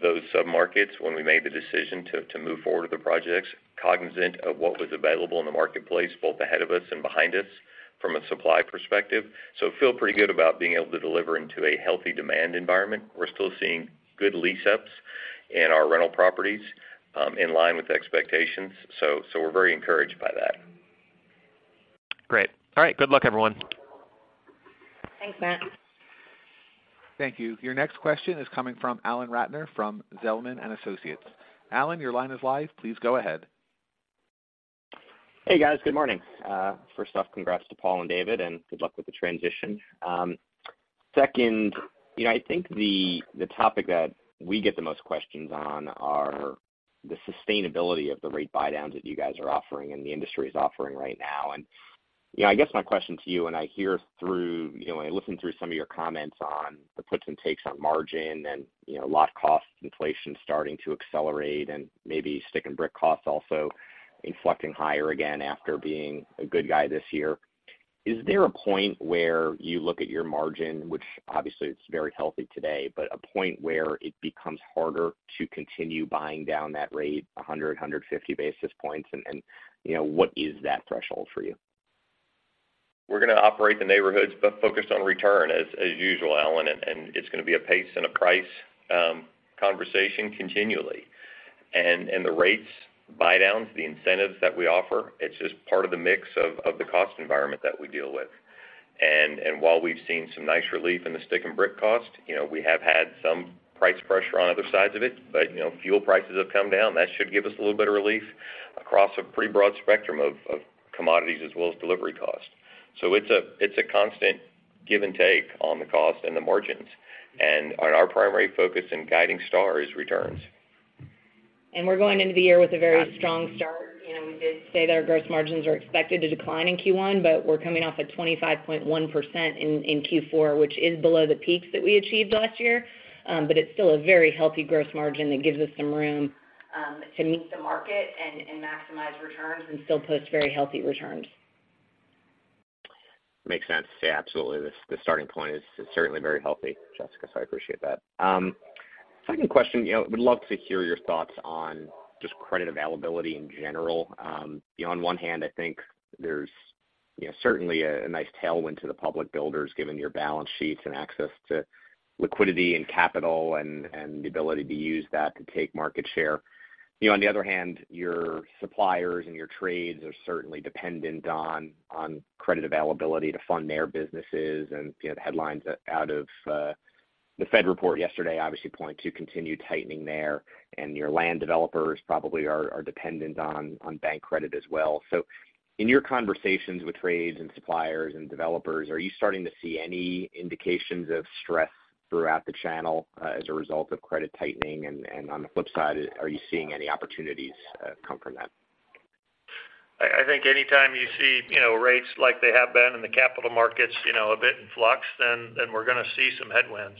E: those submarkets when we made the decision to move forward with the projects, cognizant of what was available in the marketplace, both ahead of us and behind us, from a supply perspective. So feel pretty good about being able to deliver into a healthy demand environment. We're still seeing good lease-ups in our rental properties, in line with expectations. So we're very encouraged by that.
N: Great. All right. Good luck, everyone.
B: Thanks, Matt.
A: Thank you. Your next question is coming from Alan Ratner from Zelman & Associates. Alan, your line is live. Please go ahead.
O: Hey, guys. Good morning. First off, congrats to Paul and David, and good luck with the transition. Second, you know, I think the topic that we get the most questions on are the sustainability of the rate buydowns that you guys are offering and the industry is offering right now. And, you know, I guess my question to you, and I hear through, you know, I listen through some of your comments on the puts and takes on margin and, you know, lot cost inflation starting to accelerate and maybe stick and brick costs also inflecting higher again after being a good guy this year. Is there a point where you look at your margin, which obviously it's very healthy today, but a point where it becomes harder to continue buying down that rate 100, 150 basis points, and, and, you know, what is that threshold for you?
E: We're going to operate the neighborhoods, but focused on return as usual, Alan, and it's going to be a pace and a price conversation continually. And the rate buydowns, the incentives that we offer, it's just part of the mix of the cost environment that we deal with. And while we've seen some nice relief in the stick and brick cost, you know, we have had some price pressure on other sides of it. But, you know, fuel prices have come down. That should give us a little bit of relief across a pretty broad spectrum of commodities as well as delivery costs. So it's a constant give and take on the cost and the margins, and our primary focus in guiding star is returns.
B: We're going into the year with a very strong start. You know, we did say that our gross margins are expected to decline in Q1, but we're coming off at 25.1% in Q4, which is below the peaks that we achieved last year. But it's still a very healthy gross margin that gives us some room to meet the market and maximize returns and still post very healthy returns.
O: Makes sense. Yeah, absolutely. The starting point is certainly very healthy, Jessica, so I appreciate that. Second question, you know, would love to hear your thoughts on just credit availability in general. You know, on one hand, I think there's certainly a nice tailwind to the public builders, given your balance sheets and access to liquidity and capital and the ability to use that to take market share. You know, on the other hand, your suppliers and your trades are certainly dependent on credit availability to fund their businesses. And, you know, the headlines out of the Fed report yesterday obviously point to continued tightening there, and your land developers probably are dependent on bank credit as well. In your conversations with trades and suppliers and developers, are you starting to see any indications of stress throughout the channel as a result of credit tightening? And on the flip side, are you seeing any opportunities come from that?
D: I think anytime you see, you know, rates like they have been in the capital markets, you know, a bit in flux, then we're going to see some headwinds,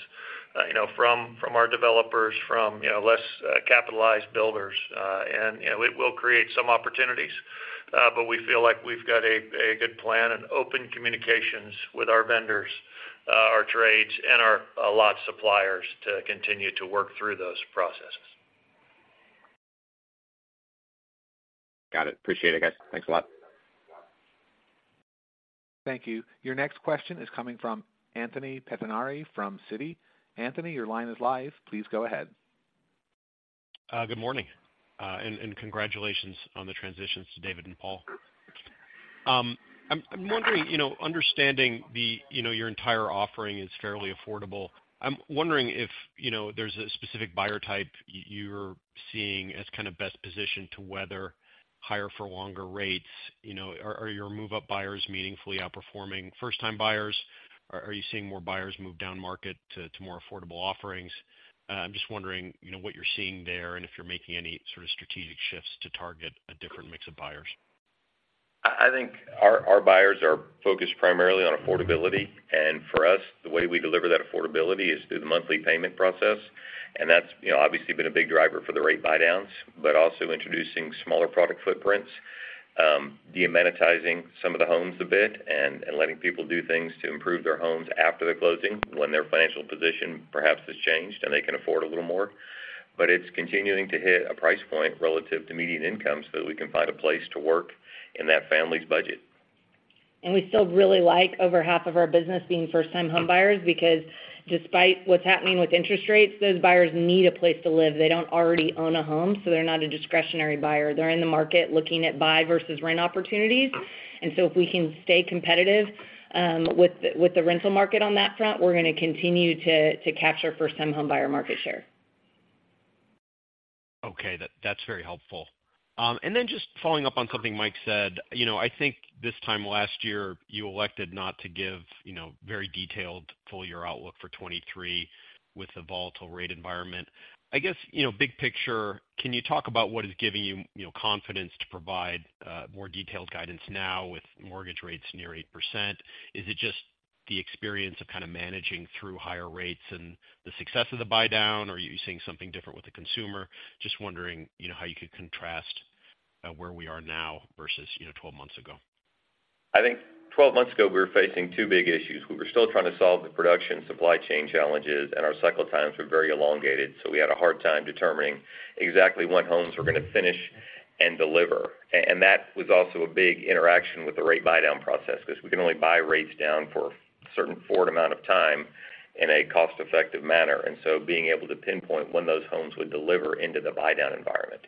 D: you know, from our developers, from you know, less capitalized builders. And, you know, it will create some opportunities, but we feel like we've got a good plan and open communications with our vendors, our trades, and our lot suppliers to continue to work through those processes.
O: Got it. Appreciate it, guys. Thanks a lot.
A: Thank you. Your next question is coming from Anthony Pettinari from Citi. Anthony, your line is live. Please go ahead....
P: Good morning, and congratulations on the transitions to David and Paul. I'm wondering, you know, understanding the, you know, your entire offering is fairly affordable. I'm wondering if, you know, there's a specific buyer type you're seeing as kind of best positioned to weather higher for longer rates, you know. Are your move-up buyers meaningfully outperforming first-time buyers? Are you seeing more buyers move down market to more affordable offerings? I'm just wondering, you know, what you're seeing there, and if you're making any sort of strategic shifts to target a different mix of buyers.
E: I think our buyers are focused primarily on affordability, and for us, the way we deliver that affordability is through the monthly payment process. And that's, you know, obviously been a big driver for the rate buydowns, but also introducing smaller product footprints, de-amenitizing some of the homes a bit and letting people do things to improve their homes after the closing, when their financial position perhaps has changed, and they can afford a little more. But it's continuing to hit a price point relative to median income, so that we can find a place to work in that family's budget.
B: We still really like over half of our business being first-time homebuyers, because despite what's happening with interest rates, those buyers need a place to live. They don't already own a home, so they're not a discretionary buyer. They're in the market looking at buy versus rent opportunities. And so if we can stay competitive with the rental market on that front, we're gonna continue to capture first-time homebuyer market share.
P: Okay, that's very helpful. And then just following up on something Mike said, you know, I think this time last year, you elected not to give, you know, very detailed full year outlook for 2023 with the volatile rate environment. I guess, you know, big picture, can you talk about what is giving you, you know, confidence to provide more detailed guidance now with mortgage rates near 8%? Is it just the experience of kind of managing through higher rates and the success of the buydown, or are you seeing something different with the consumer? Just wondering, you know, how you could contrast where we are now versus, you know, 12 months ago.
E: I think 12 months ago, we were facing two big issues. We were still trying to solve the production supply chain challenges, and our cycle times were very elongated, so we had a hard time determining exactly when homes were gonna finish and deliver. And that was also a big interaction with the rate buydown process, 'cause we can only buy rates down for a certain forward amount of time in a cost-effective manner, and so being able to pinpoint when those homes would deliver into the buydown environment.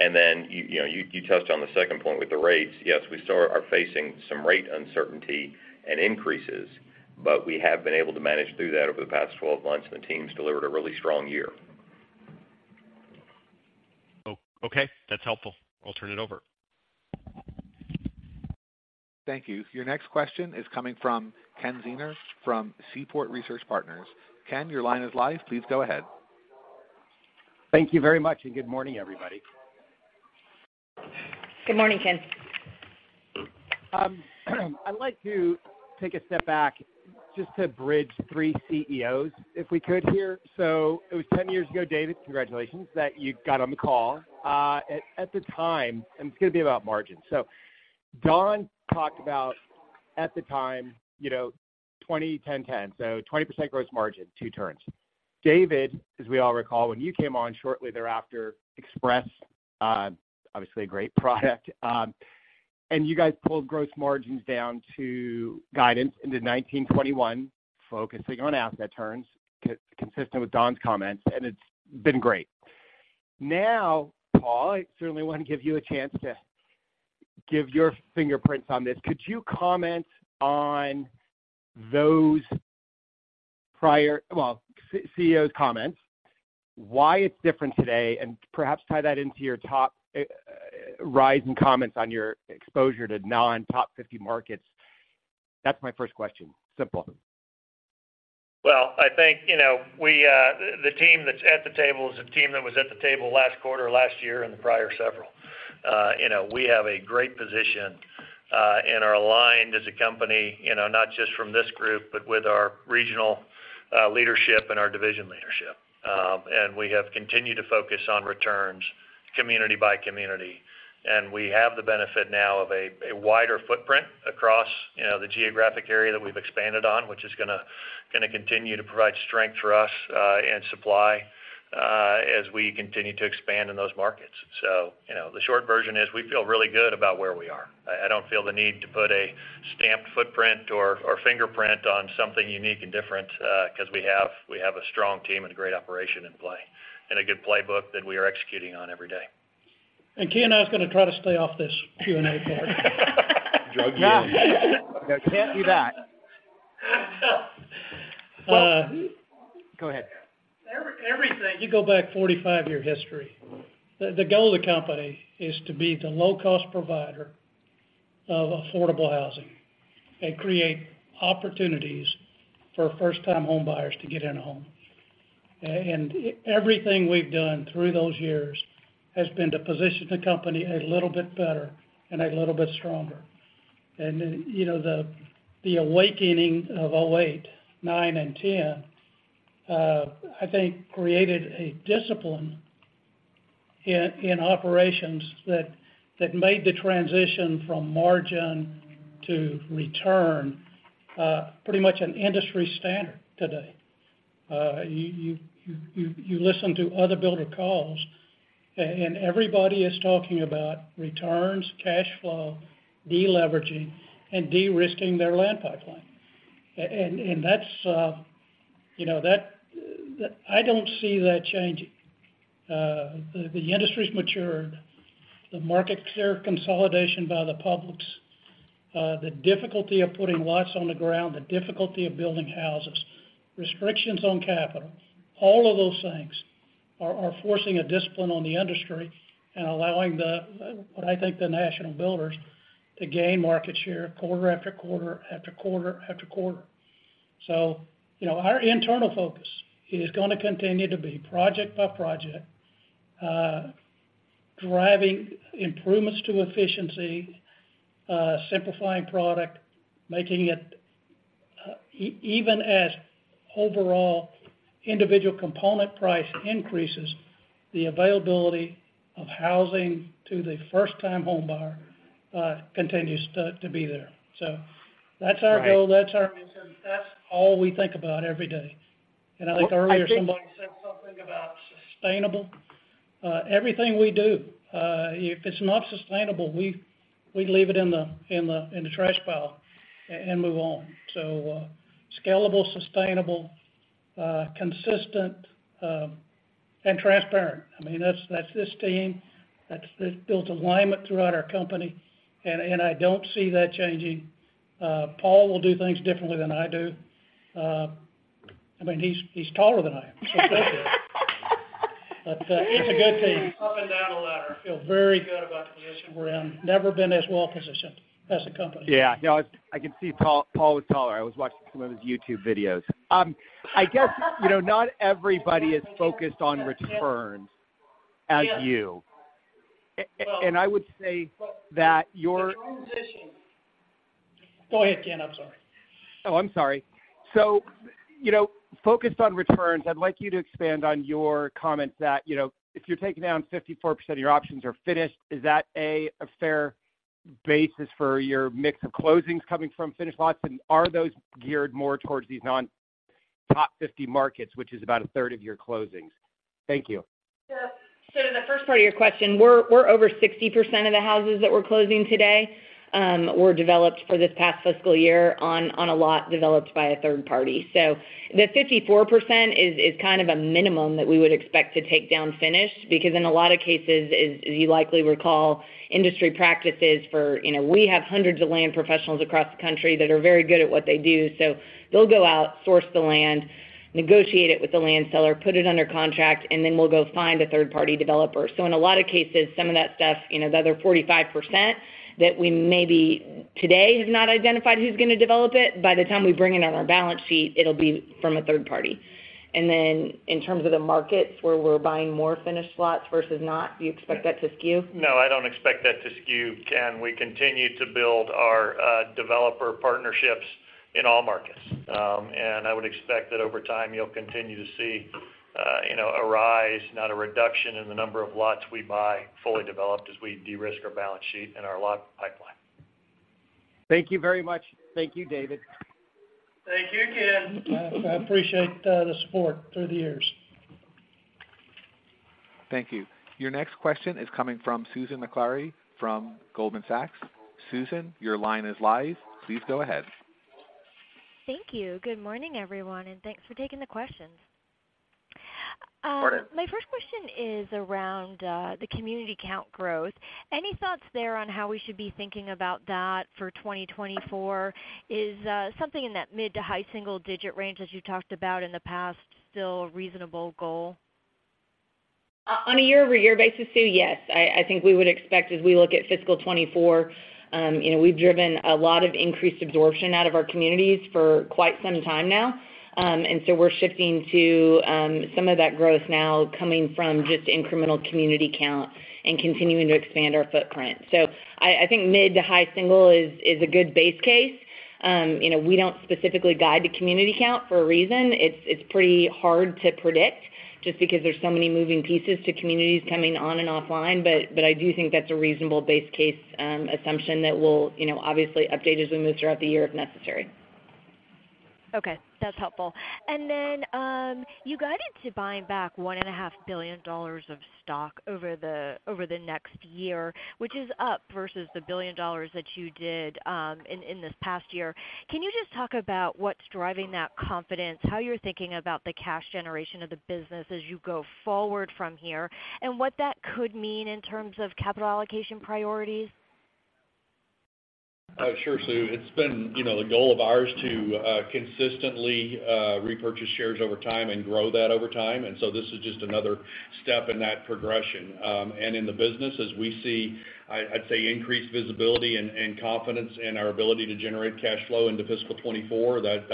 E: And then, you know, you touched on the second point with the rates. Yes, we still are facing some rate uncertainty and increases, but we have been able to manage through that over the past 12 months, and the team's delivered a really strong year.
P: Oh, okay. That's helpful. I'll turn it over.
A: Thank you. Your next question is coming from Ken Zener, from Seaport Research Partners. Ken, your line is live. Please go ahead.
Q: Thank you very much, and good morning, everybody.
B: Good morning, Ken.
Q: I'd like to take a step back just to bridge three CEOs, if we could here. So it was 10 years ago, David, congratulations, that you got on the call. At the time, and it's gonna be about margins. So Don talked about at the time, you know, 20-10-10, so 20% gross margin, 2 turns. David, as we all recall, when you came on shortly thereafter, expressed, obviously a great product, and you guys pulled gross margins down to guidance into 19-21, focusing on asset turns, consistent with Don's comments, and it's been great. Now, Paul, I certainly want to give you a chance to give your fingerprints on this. Could you comment on those prior... Well, CEO's comments, why it's different today, and perhaps tie that into your top-line in comments on your exposure to non-top 50 markets? That's my first question. Simple.
D: Well, I think, you know, we, the team that's at the table is the team that was at the table last quarter, last year, and the prior several. You know, we have a great position, and are aligned as a company, you know, not just from this group, but with our regional, leadership and our division leadership. And we have continued to focus on returns, community by community. And we have the benefit now of a wider footprint across, you know, the geographic area that we've expanded on, which is gonna continue to provide strength for us, and supply, as we continue to expand in those markets. So, you know, the short version is, we feel really good about where we are. I don't feel the need to put a stamped footprint or fingerprint on something unique and different, 'cause we have a strong team and a great operation in play, and a good playbook that we are executing on every day.
P: Ken, I was gonna try to stay off this Q&A part.
D: Drug you in.
Q: Can't do that. Go ahead.
P: Everything, you go back 45-year history, the goal of the company is to be the low-cost provider of affordable housing and create opportunities for first-time homebuyers to get in a home. And everything we've done through those years has been to position the company a little bit better and a little bit stronger. And, you know, the awakening of 2008, 2009, and 2010, I think, created a discipline in operations that made the transition from margin to return pretty much an industry standard today. You listen to other builder calls, and everybody is talking about returns, cash flow, deleveraging, and de-risking their land pipeline....
C: And that's, you know, that I don't see that changing. The industry's matured, the market share consolidation by the publics, the difficulty of putting lots on the ground, the difficulty of building houses, restrictions on capital, all of those things are forcing a discipline on the industry and allowing the, what I think, the national builders to gain market share quarter after quarter, after quarter, after quarter. So, you know, our internal focus is going to continue to be project by project, driving improvements to efficiency, simplifying product, making it, even as overall individual component price increases, the availability of housing to the first-time homebuyer, continues to be there. So that's our goal, that's our mission. That's all we think about every day. And I think earlier, somebody said something about sustainable. Everything we do, if it's not sustainable, we leave it in the trash pile and move on. So, scalable, sustainable, consistent, and transparent. I mean, that's this team. That's built alignment throughout our company, and I don't see that changing. Paul will do things differently than I do. I mean, he's taller than I am, so that's it. But, it's a good team. Up and down the ladder, I feel very good about the position we're in. Never been as well positioned as a company.
Q: Yeah. No, I can see Paul, Paul was taller. I was watching some of his YouTube videos. I guess, you know, not everybody is focused on returns as you.
C: Yeah.
Q: And I would say that your-
C: Go ahead, Ken. I'm sorry.
Q: Oh, I'm sorry. So, you know, focused on returns, I'd like you to expand on your comment that, you know, if you're taking down 54% of your options are finished, is that a fair basis for your mix of closings coming from finished lots? And are those geared more towards these non-top 50 markets, which is about a third of your closings? Thank you.
B: So, to the first part of your question, we're over 60% of the houses that we're closing today were developed for this past fiscal year on a lot developed by a third party. So the 54% is kind of a minimum that we would expect to take down finished, because in a lot of cases, as you likely recall, industry practices for, you know, we have hundreds of land professionals across the country that are very good at what they do. So they'll go out, source the land, negotiate it with the land seller, put it under contract, and then we'll go find a third-party developer. So in a lot of cases, some of that stuff, you know, the other 45% that we maybe today have not identified who's going to develop it, by the time we bring it on our balance sheet, it'll be from a third party. And then in terms of the markets where we're buying more finished lots versus not, do you expect that to skew?
F: No, I don't expect that to skew, Ken. We continue to build our developer partnerships in all markets. I would expect that over time, you'll continue to see, you know, a rise, not a reduction in the number of lots we buy fully developed as we de-risk our balance sheet and our lot pipeline.
Q: Thank you very much. Thank you, David.
C: Thank you, Ken. I appreciate the support through the years.
A: Thank you. Your next question is coming from Susan Maklari from Goldman Sachs. Susan, your line is live. Please go ahead.
R: Thank you. Good morning, everyone, and thanks for taking the questions.
F: Morning.
R: My first question is around the community count growth. Any thoughts there on how we should be thinking about that for 2024? Is something in that mid to high single digit range, as you talked about in the past, still a reasonable goal?
B: On a year-over-year basis, Sue, yes. I think we would expect as we look at fiscal 2024, you know, we've driven a lot of increased absorption out of our communities for quite some time now. And so we're shifting to some of that growth now coming from just incremental community count and continuing to expand our footprint. So I think mid- to high-single is a good base case. You know, we don't specifically guide the community count for a reason. It's pretty hard to predict just because there's so many moving pieces to communities coming on and offline, but I do think that's a reasonable base case assumption that we'll, you know, obviously update as we move throughout the year if necessary.
R: Okay, that's helpful. And then, you guided to buying back $1.5 billion of stock over the, over the next year, which is up versus the $1 billion that you did in this past year. Can you just talk about what's driving that confidence, how you're thinking about the cash generation of the business as you go forward from here, and what that could mean in terms of capital allocation priorities?
F: Sure, Sue. It's been, you know, a goal of ours to consistently repurchase shares over time and grow that over time, and so this is just another step in that progression. And in the business, as we see, I'd say, increased visibility and confidence in our ability to generate cash flow into fiscal 2024, that's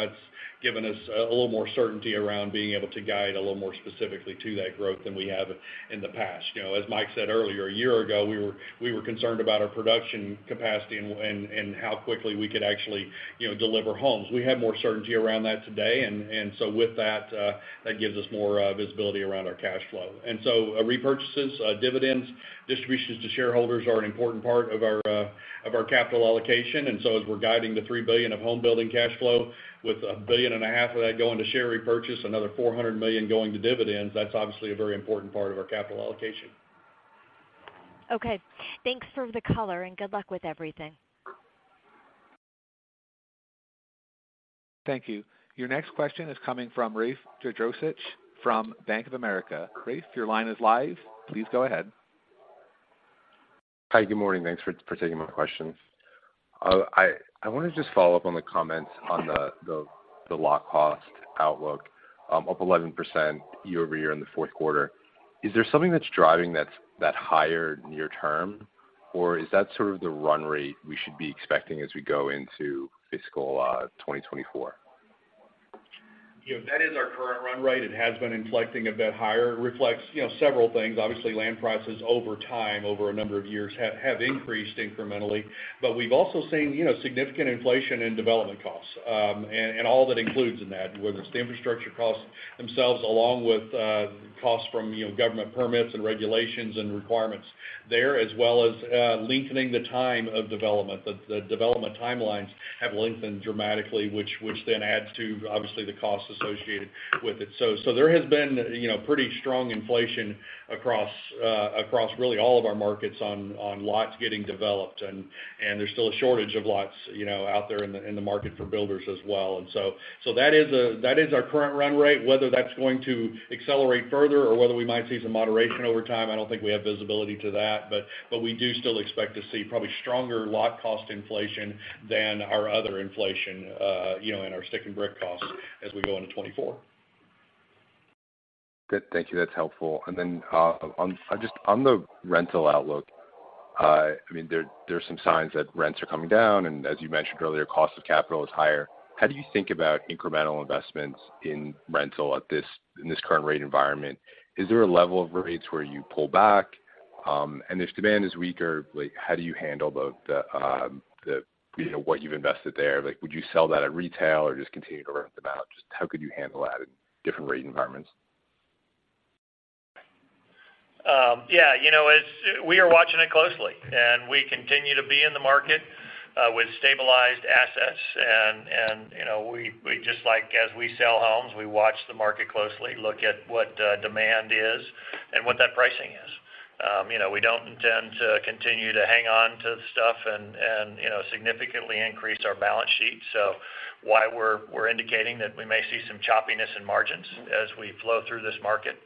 F: given us a little more certainty around being able to guide a little more specifically to that growth than we have in the past. You know, as Mike said earlier, a year ago, we were concerned about our production capacity and how quickly we could actually, you know, deliver homes. We have more certainty around that today, and so with that, that gives us more visibility around our cash flow. Repurchases, dividends, distributions to shareholders are an important part of our of our capital allocation. As we're guiding $3 billion of homebuilding cash flow, with $1.5 billion of that going to share repurchase, another $400 million going to dividends, that's obviously a very important part of our capital allocation....
D: Okay. Thanks for the color, and good luck with everything.
A: Thank you. Your next question is coming from Rafe Jadrosich from Bank of America. Rafe, your line is live. Please go ahead.
S: Hi, good morning. Thanks for taking my questions. I want to just follow up on the comments on the lot cost outlook, up 11% year-over-year in the fourth quarter. Is there something that's driving that higher near term, or is that sort of the run rate we should be expecting as we go into fiscal 2024?
F: Yeah, that is our current run rate. It has been inflecting a bit higher. It reflects, you know, several things. Obviously, land prices over time, over a number of years, have increased incrementally. But we've also seen, you know, significant inflation in development costs, and all that includes in that, whether it's the infrastructure costs themselves, along with costs from, you know, government permits and regulations and requirements there, as well as lengthening the time of development. The development timelines have lengthened dramatically, which then adds to, obviously, the costs associated with it. So there has been, you know, pretty strong inflation across across really all of our markets on lots getting developed, and there's still a shortage of lots, you know, out there in the market for builders as well. And so that is our current run rate. Whether that's going to accelerate further or whether we might see some moderation over time, I don't think we have visibility to that. But we do still expect to see probably stronger lot cost inflation than our other inflation, you know, in our stick-and-brick costs as we go into 2024.
S: Good. Thank you. That's helpful. And then, just on the rental outlook, I mean, there, there are some signs that rents are coming down, and as you mentioned earlier, cost of capital is higher. How do you think about incremental investments in rental at this in this current rate environment? Is there a level of rates where you pull back? And if demand is weaker, like, how do you handle the, you know, what you've invested there? Like, would you sell that at retail or just continue to rent them out? Just how could you handle that in different rate environments?
D: Yeah, you know, as we are watching it closely, and we continue to be in the market with stabilized assets. You know, we just like as we sell homes, we watch the market closely, look at what demand is and what that pricing is. You know, we don't intend to continue to hang on to stuff and, you know, significantly increase our balance sheet. So while we're indicating that we may see some choppiness in margins as we flow through this market.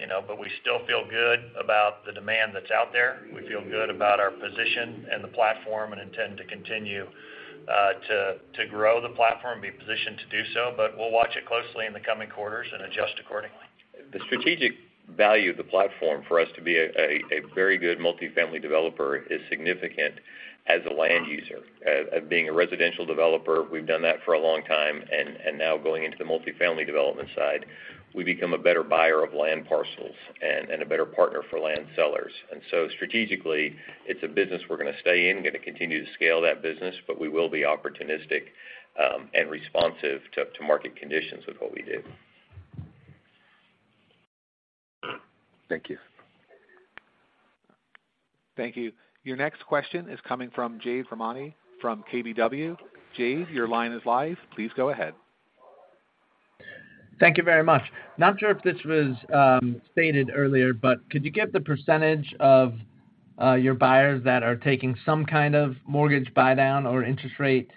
D: You know, but we still feel good about the demand that's out there. We feel good about our position and the platform and intend to continue to grow the platform, be positioned to do so, but we'll watch it closely in the coming quarters and adjust accordingly.
E: The strategic value of the platform for us to be a very good multifamily developer is significant as a land user. Being a residential developer, we've done that for a long time, and now going into the multifamily development side, we become a better buyer of land parcels and a better partner for land sellers. And so strategically, it's a business we're going to stay in, going to continue to scale that business, but we will be opportunistic, and responsive to market conditions with what we do.
S: Thank you.
A: Thank you. Your next question is coming from Jade Rahmani from KBW. Jade, your line is live. Please go ahead.
T: Thank you very much. Not sure if this was stated earlier, but could you give the percentage of your buyers that are taking some kind of mortgage buydown or interest rate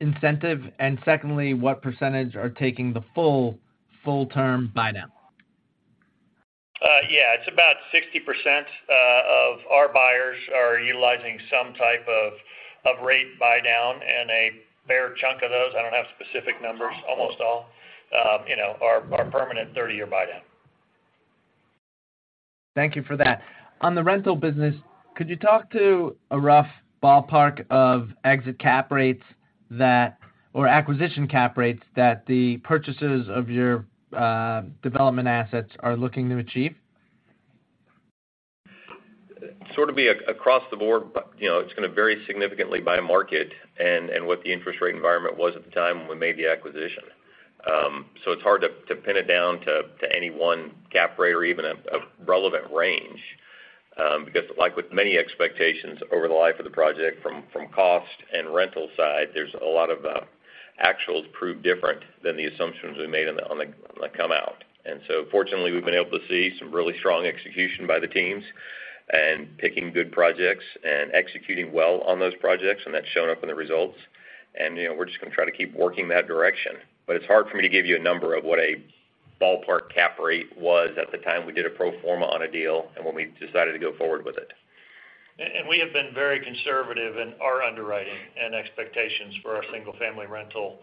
T: incentive? And secondly, what percentage are taking the full, full-term buydown?
F: Yeah, it's about 60% of our buyers are utilizing some type of rate buydown, and a fair chunk of those, I don't have specific numbers, almost all, you know, are permanent 30-year buydown.
T: Thank you for that. On the rental business, could you talk to a rough ballpark of exit cap rates that, or acquisition cap rates, that the purchasers of your, development assets are looking to achieve?
E: Sort of across the board, but, you know, it's going to vary significantly by market and what the interest rate environment was at the time when we made the acquisition. So it's hard to pin it down to any one cap rate or even a relevant range, because like with many expectations over the life of the project, from cost and rental side, there's a lot of actuals prove different than the assumptions we made on the come out. And so fortunately, we've been able to see some really strong execution by the teams and picking good projects and executing well on those projects, and that's shown up in the results. And, you know, we're just going to try to keep working that direction. But it's hard for me to give you a number of what a ballpark cap rate was at the time we did a pro forma on a deal and when we decided to go forward with it.
F: We have been very conservative in our underwriting and expectations for our single-family rental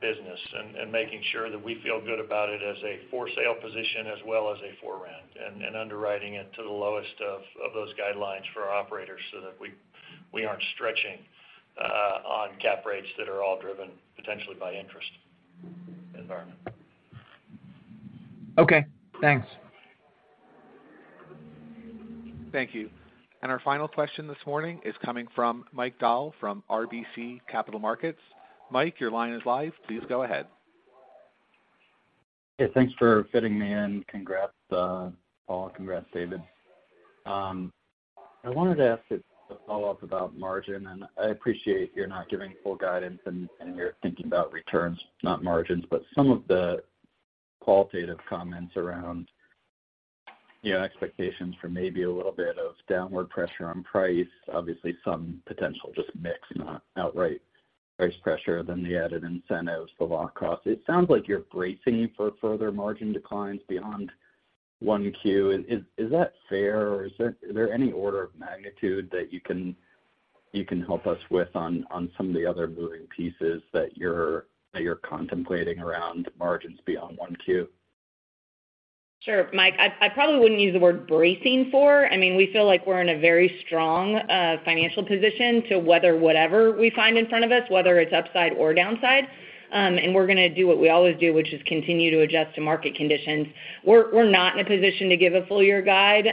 F: business, and making sure that we feel good about it as a for-sale position, as well as a for-rent, and underwriting it to the lowest of those guidelines for our operators so that we aren't stretching on cap rates that are all driven potentially by interest environment.
T: Okay, thanks.
A: Thank you. Our final question this morning is coming from Mike Dahl from RBC Capital Markets. Mike, your line is live. Please go ahead.
U: Hey, thanks for fitting me in. Congrats, Paul. Congrats, David. I wanted to ask a follow-up about margin, and I appreciate you're not giving full guidance, and you're thinking about returns, not margins, but some of the qualitative comments around, you know, expectations for maybe a little bit of downward pressure on price. Obviously, some potential, just mix, not outright price pressure, then the added incentives for lock cost. It sounds like you're bracing for further margin declines beyond 1Q. Is that fair, or is there any order of magnitude that you can help us with on some of the other moving pieces that you're contemplating around margins beyond 1Q?
B: Sure, Mike, I probably wouldn't use the word bracing for. I mean, we feel like we're in a very strong financial position to weather whatever we find in front of us, whether it's upside or downside. And we're gonna do what we always do, which is continue to adjust to market conditions. We're not in a position to give a full year guide.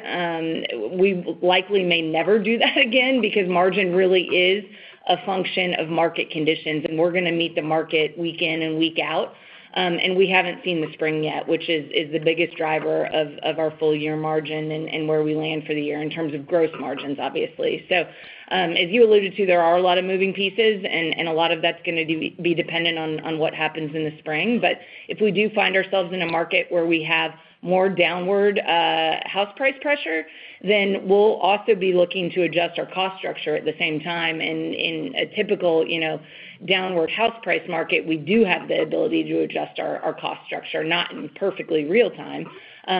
B: We likely may never do that again because margin really is a function of market conditions, and we're gonna meet the market week in and week out. And we haven't seen the spring yet, which is the biggest driver of our full-year margin and where we land for the year in terms of gross margins, obviously. So, as you alluded to, there are a lot of moving pieces and a lot of that's gonna be dependent on what happens in the spring. But if we do find ourselves in a market where we have more downward house price pressure, then we'll also be looking to adjust our cost structure at the same time. And in a typical, you know, downward house price market, we do have the ability to adjust our cost structure, not in perfectly real time,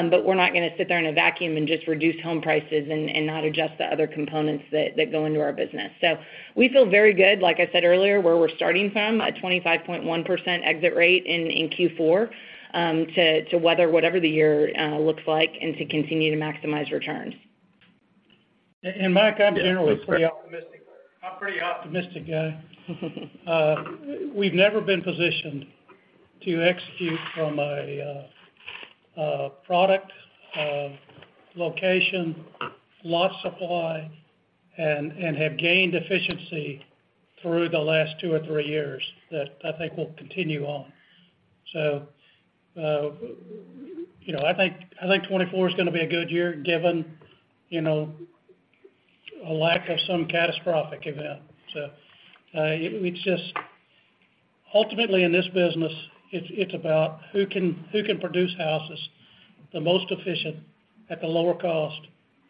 B: but we're not gonna sit there in a vacuum and just reduce home prices and not adjust the other components that go into our business. We feel very good, like I said earlier, where we're starting from, a 25.1% exit rate in Q4 to weather whatever the year looks like and to continue to maximize returns.
D: And Mike, I'm generally pretty optimistic. I'm pretty optimistic, we've never been positioned to execute from a, a product, location, lot supply, and, and have gained efficiency through the last two or three years that I think will continue on. So, you know, I think, I think 2024 is gonna be a good year, given, you know, a lack of some catastrophic event. So, ultimately, in this business, it's, it's about who can, who can produce houses the most efficient, at the lower cost,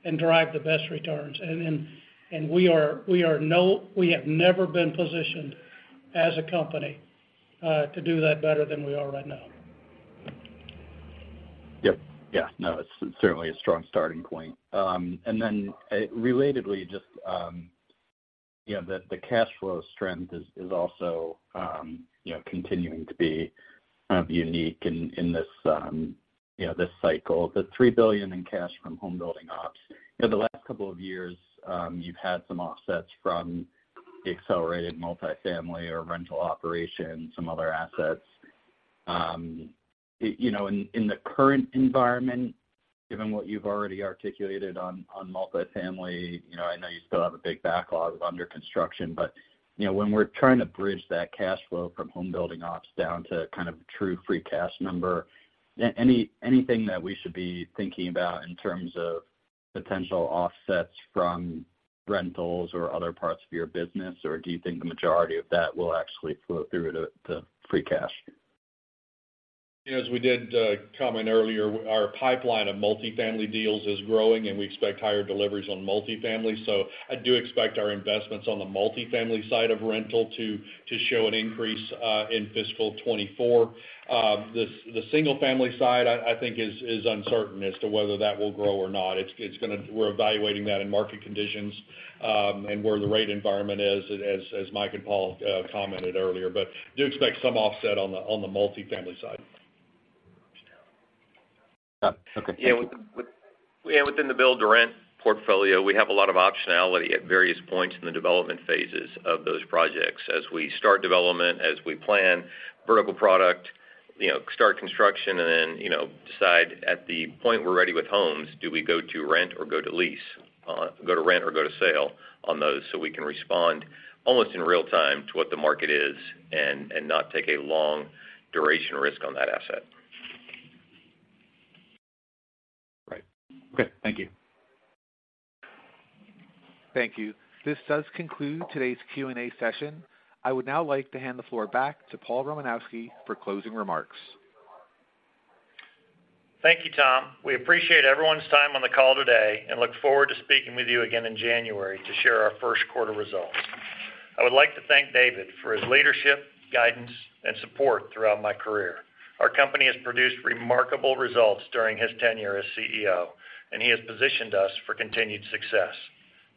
D: and drive the best returns. And, and, and we are, we are – we have never been positioned as a company, to do that better than we are right now.
U: Yep. Yeah, no, it's certainly a strong starting point. And then, relatedly, just, you know, the cash flow strength is also, you know, continuing to be, kind of, unique in this cycle. The $3 billion in cash from homebuilding ops. You know, the last couple of years, you've had some offsets from the accelerated multifamily or rental operations, some other assets. You know, in the current environment, given what you've already articulated on multifamily, you know, I know you still have a big backlog of under construction, but, you know, when we're trying to bridge that cash flow from homebuilding ops down to kind of true free cash number, anything that we should be thinking about in terms of potential offsets from rentals or other parts of your business, or do you think the majority of that will actually flow through to free cash?
F: As we did comment earlier, our pipeline of multifamily deals is growing, and we expect higher deliveries on multifamily. So I do expect our investments on the multifamily side of rental to show an increase in fiscal 2024. The single family side, I think is uncertain as to whether that will grow or not. It's gonna... We're evaluating that in market conditions, and where the rate environment is, as Mike and Paul commented earlier, but do expect some offset on the multifamily side.
U: Yeah. Okay.
E: Yeah, yeah, within the build-to-rent portfolio, we have a lot of optionality at various points in the development phases of those projects. As we start development, as we plan vertical product, you know, start construction and then, you know, decide at the point we're ready with homes, do we go to rent or go to lease, go to rent or go to sale on those? So we can respond almost in real time to what the market is and not take a long duration risk on that asset.
U: Right. Okay, thank you.
B: Thank you. This does conclude today's Q&A session. I would now like to hand the floor back to Paul Romanowski for closing remarks.
D: Thank you, Tom. We appreciate everyone's time on the call today and look forward to speaking with you again in January to share our first quarter results. I would like to thank David for his leadership, guidance, and support throughout my career. Our company has produced remarkable results during his tenure as CEO, and he has positioned us for continued success.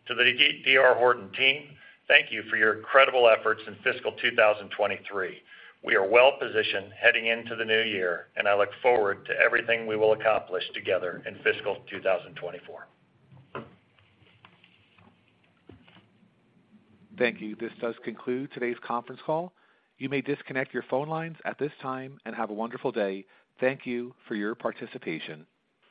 D: To the D.R. Horton team, thank you for your incredible efforts in fiscal 2023. We are well-positioned heading into the new year, and I look forward to everything we will accomplish together in fiscal 2024.
B: Thank you. This does conclude today's conference call. You may disconnect your phone lines at this time, and have a wonderful day. Thank you for your participation.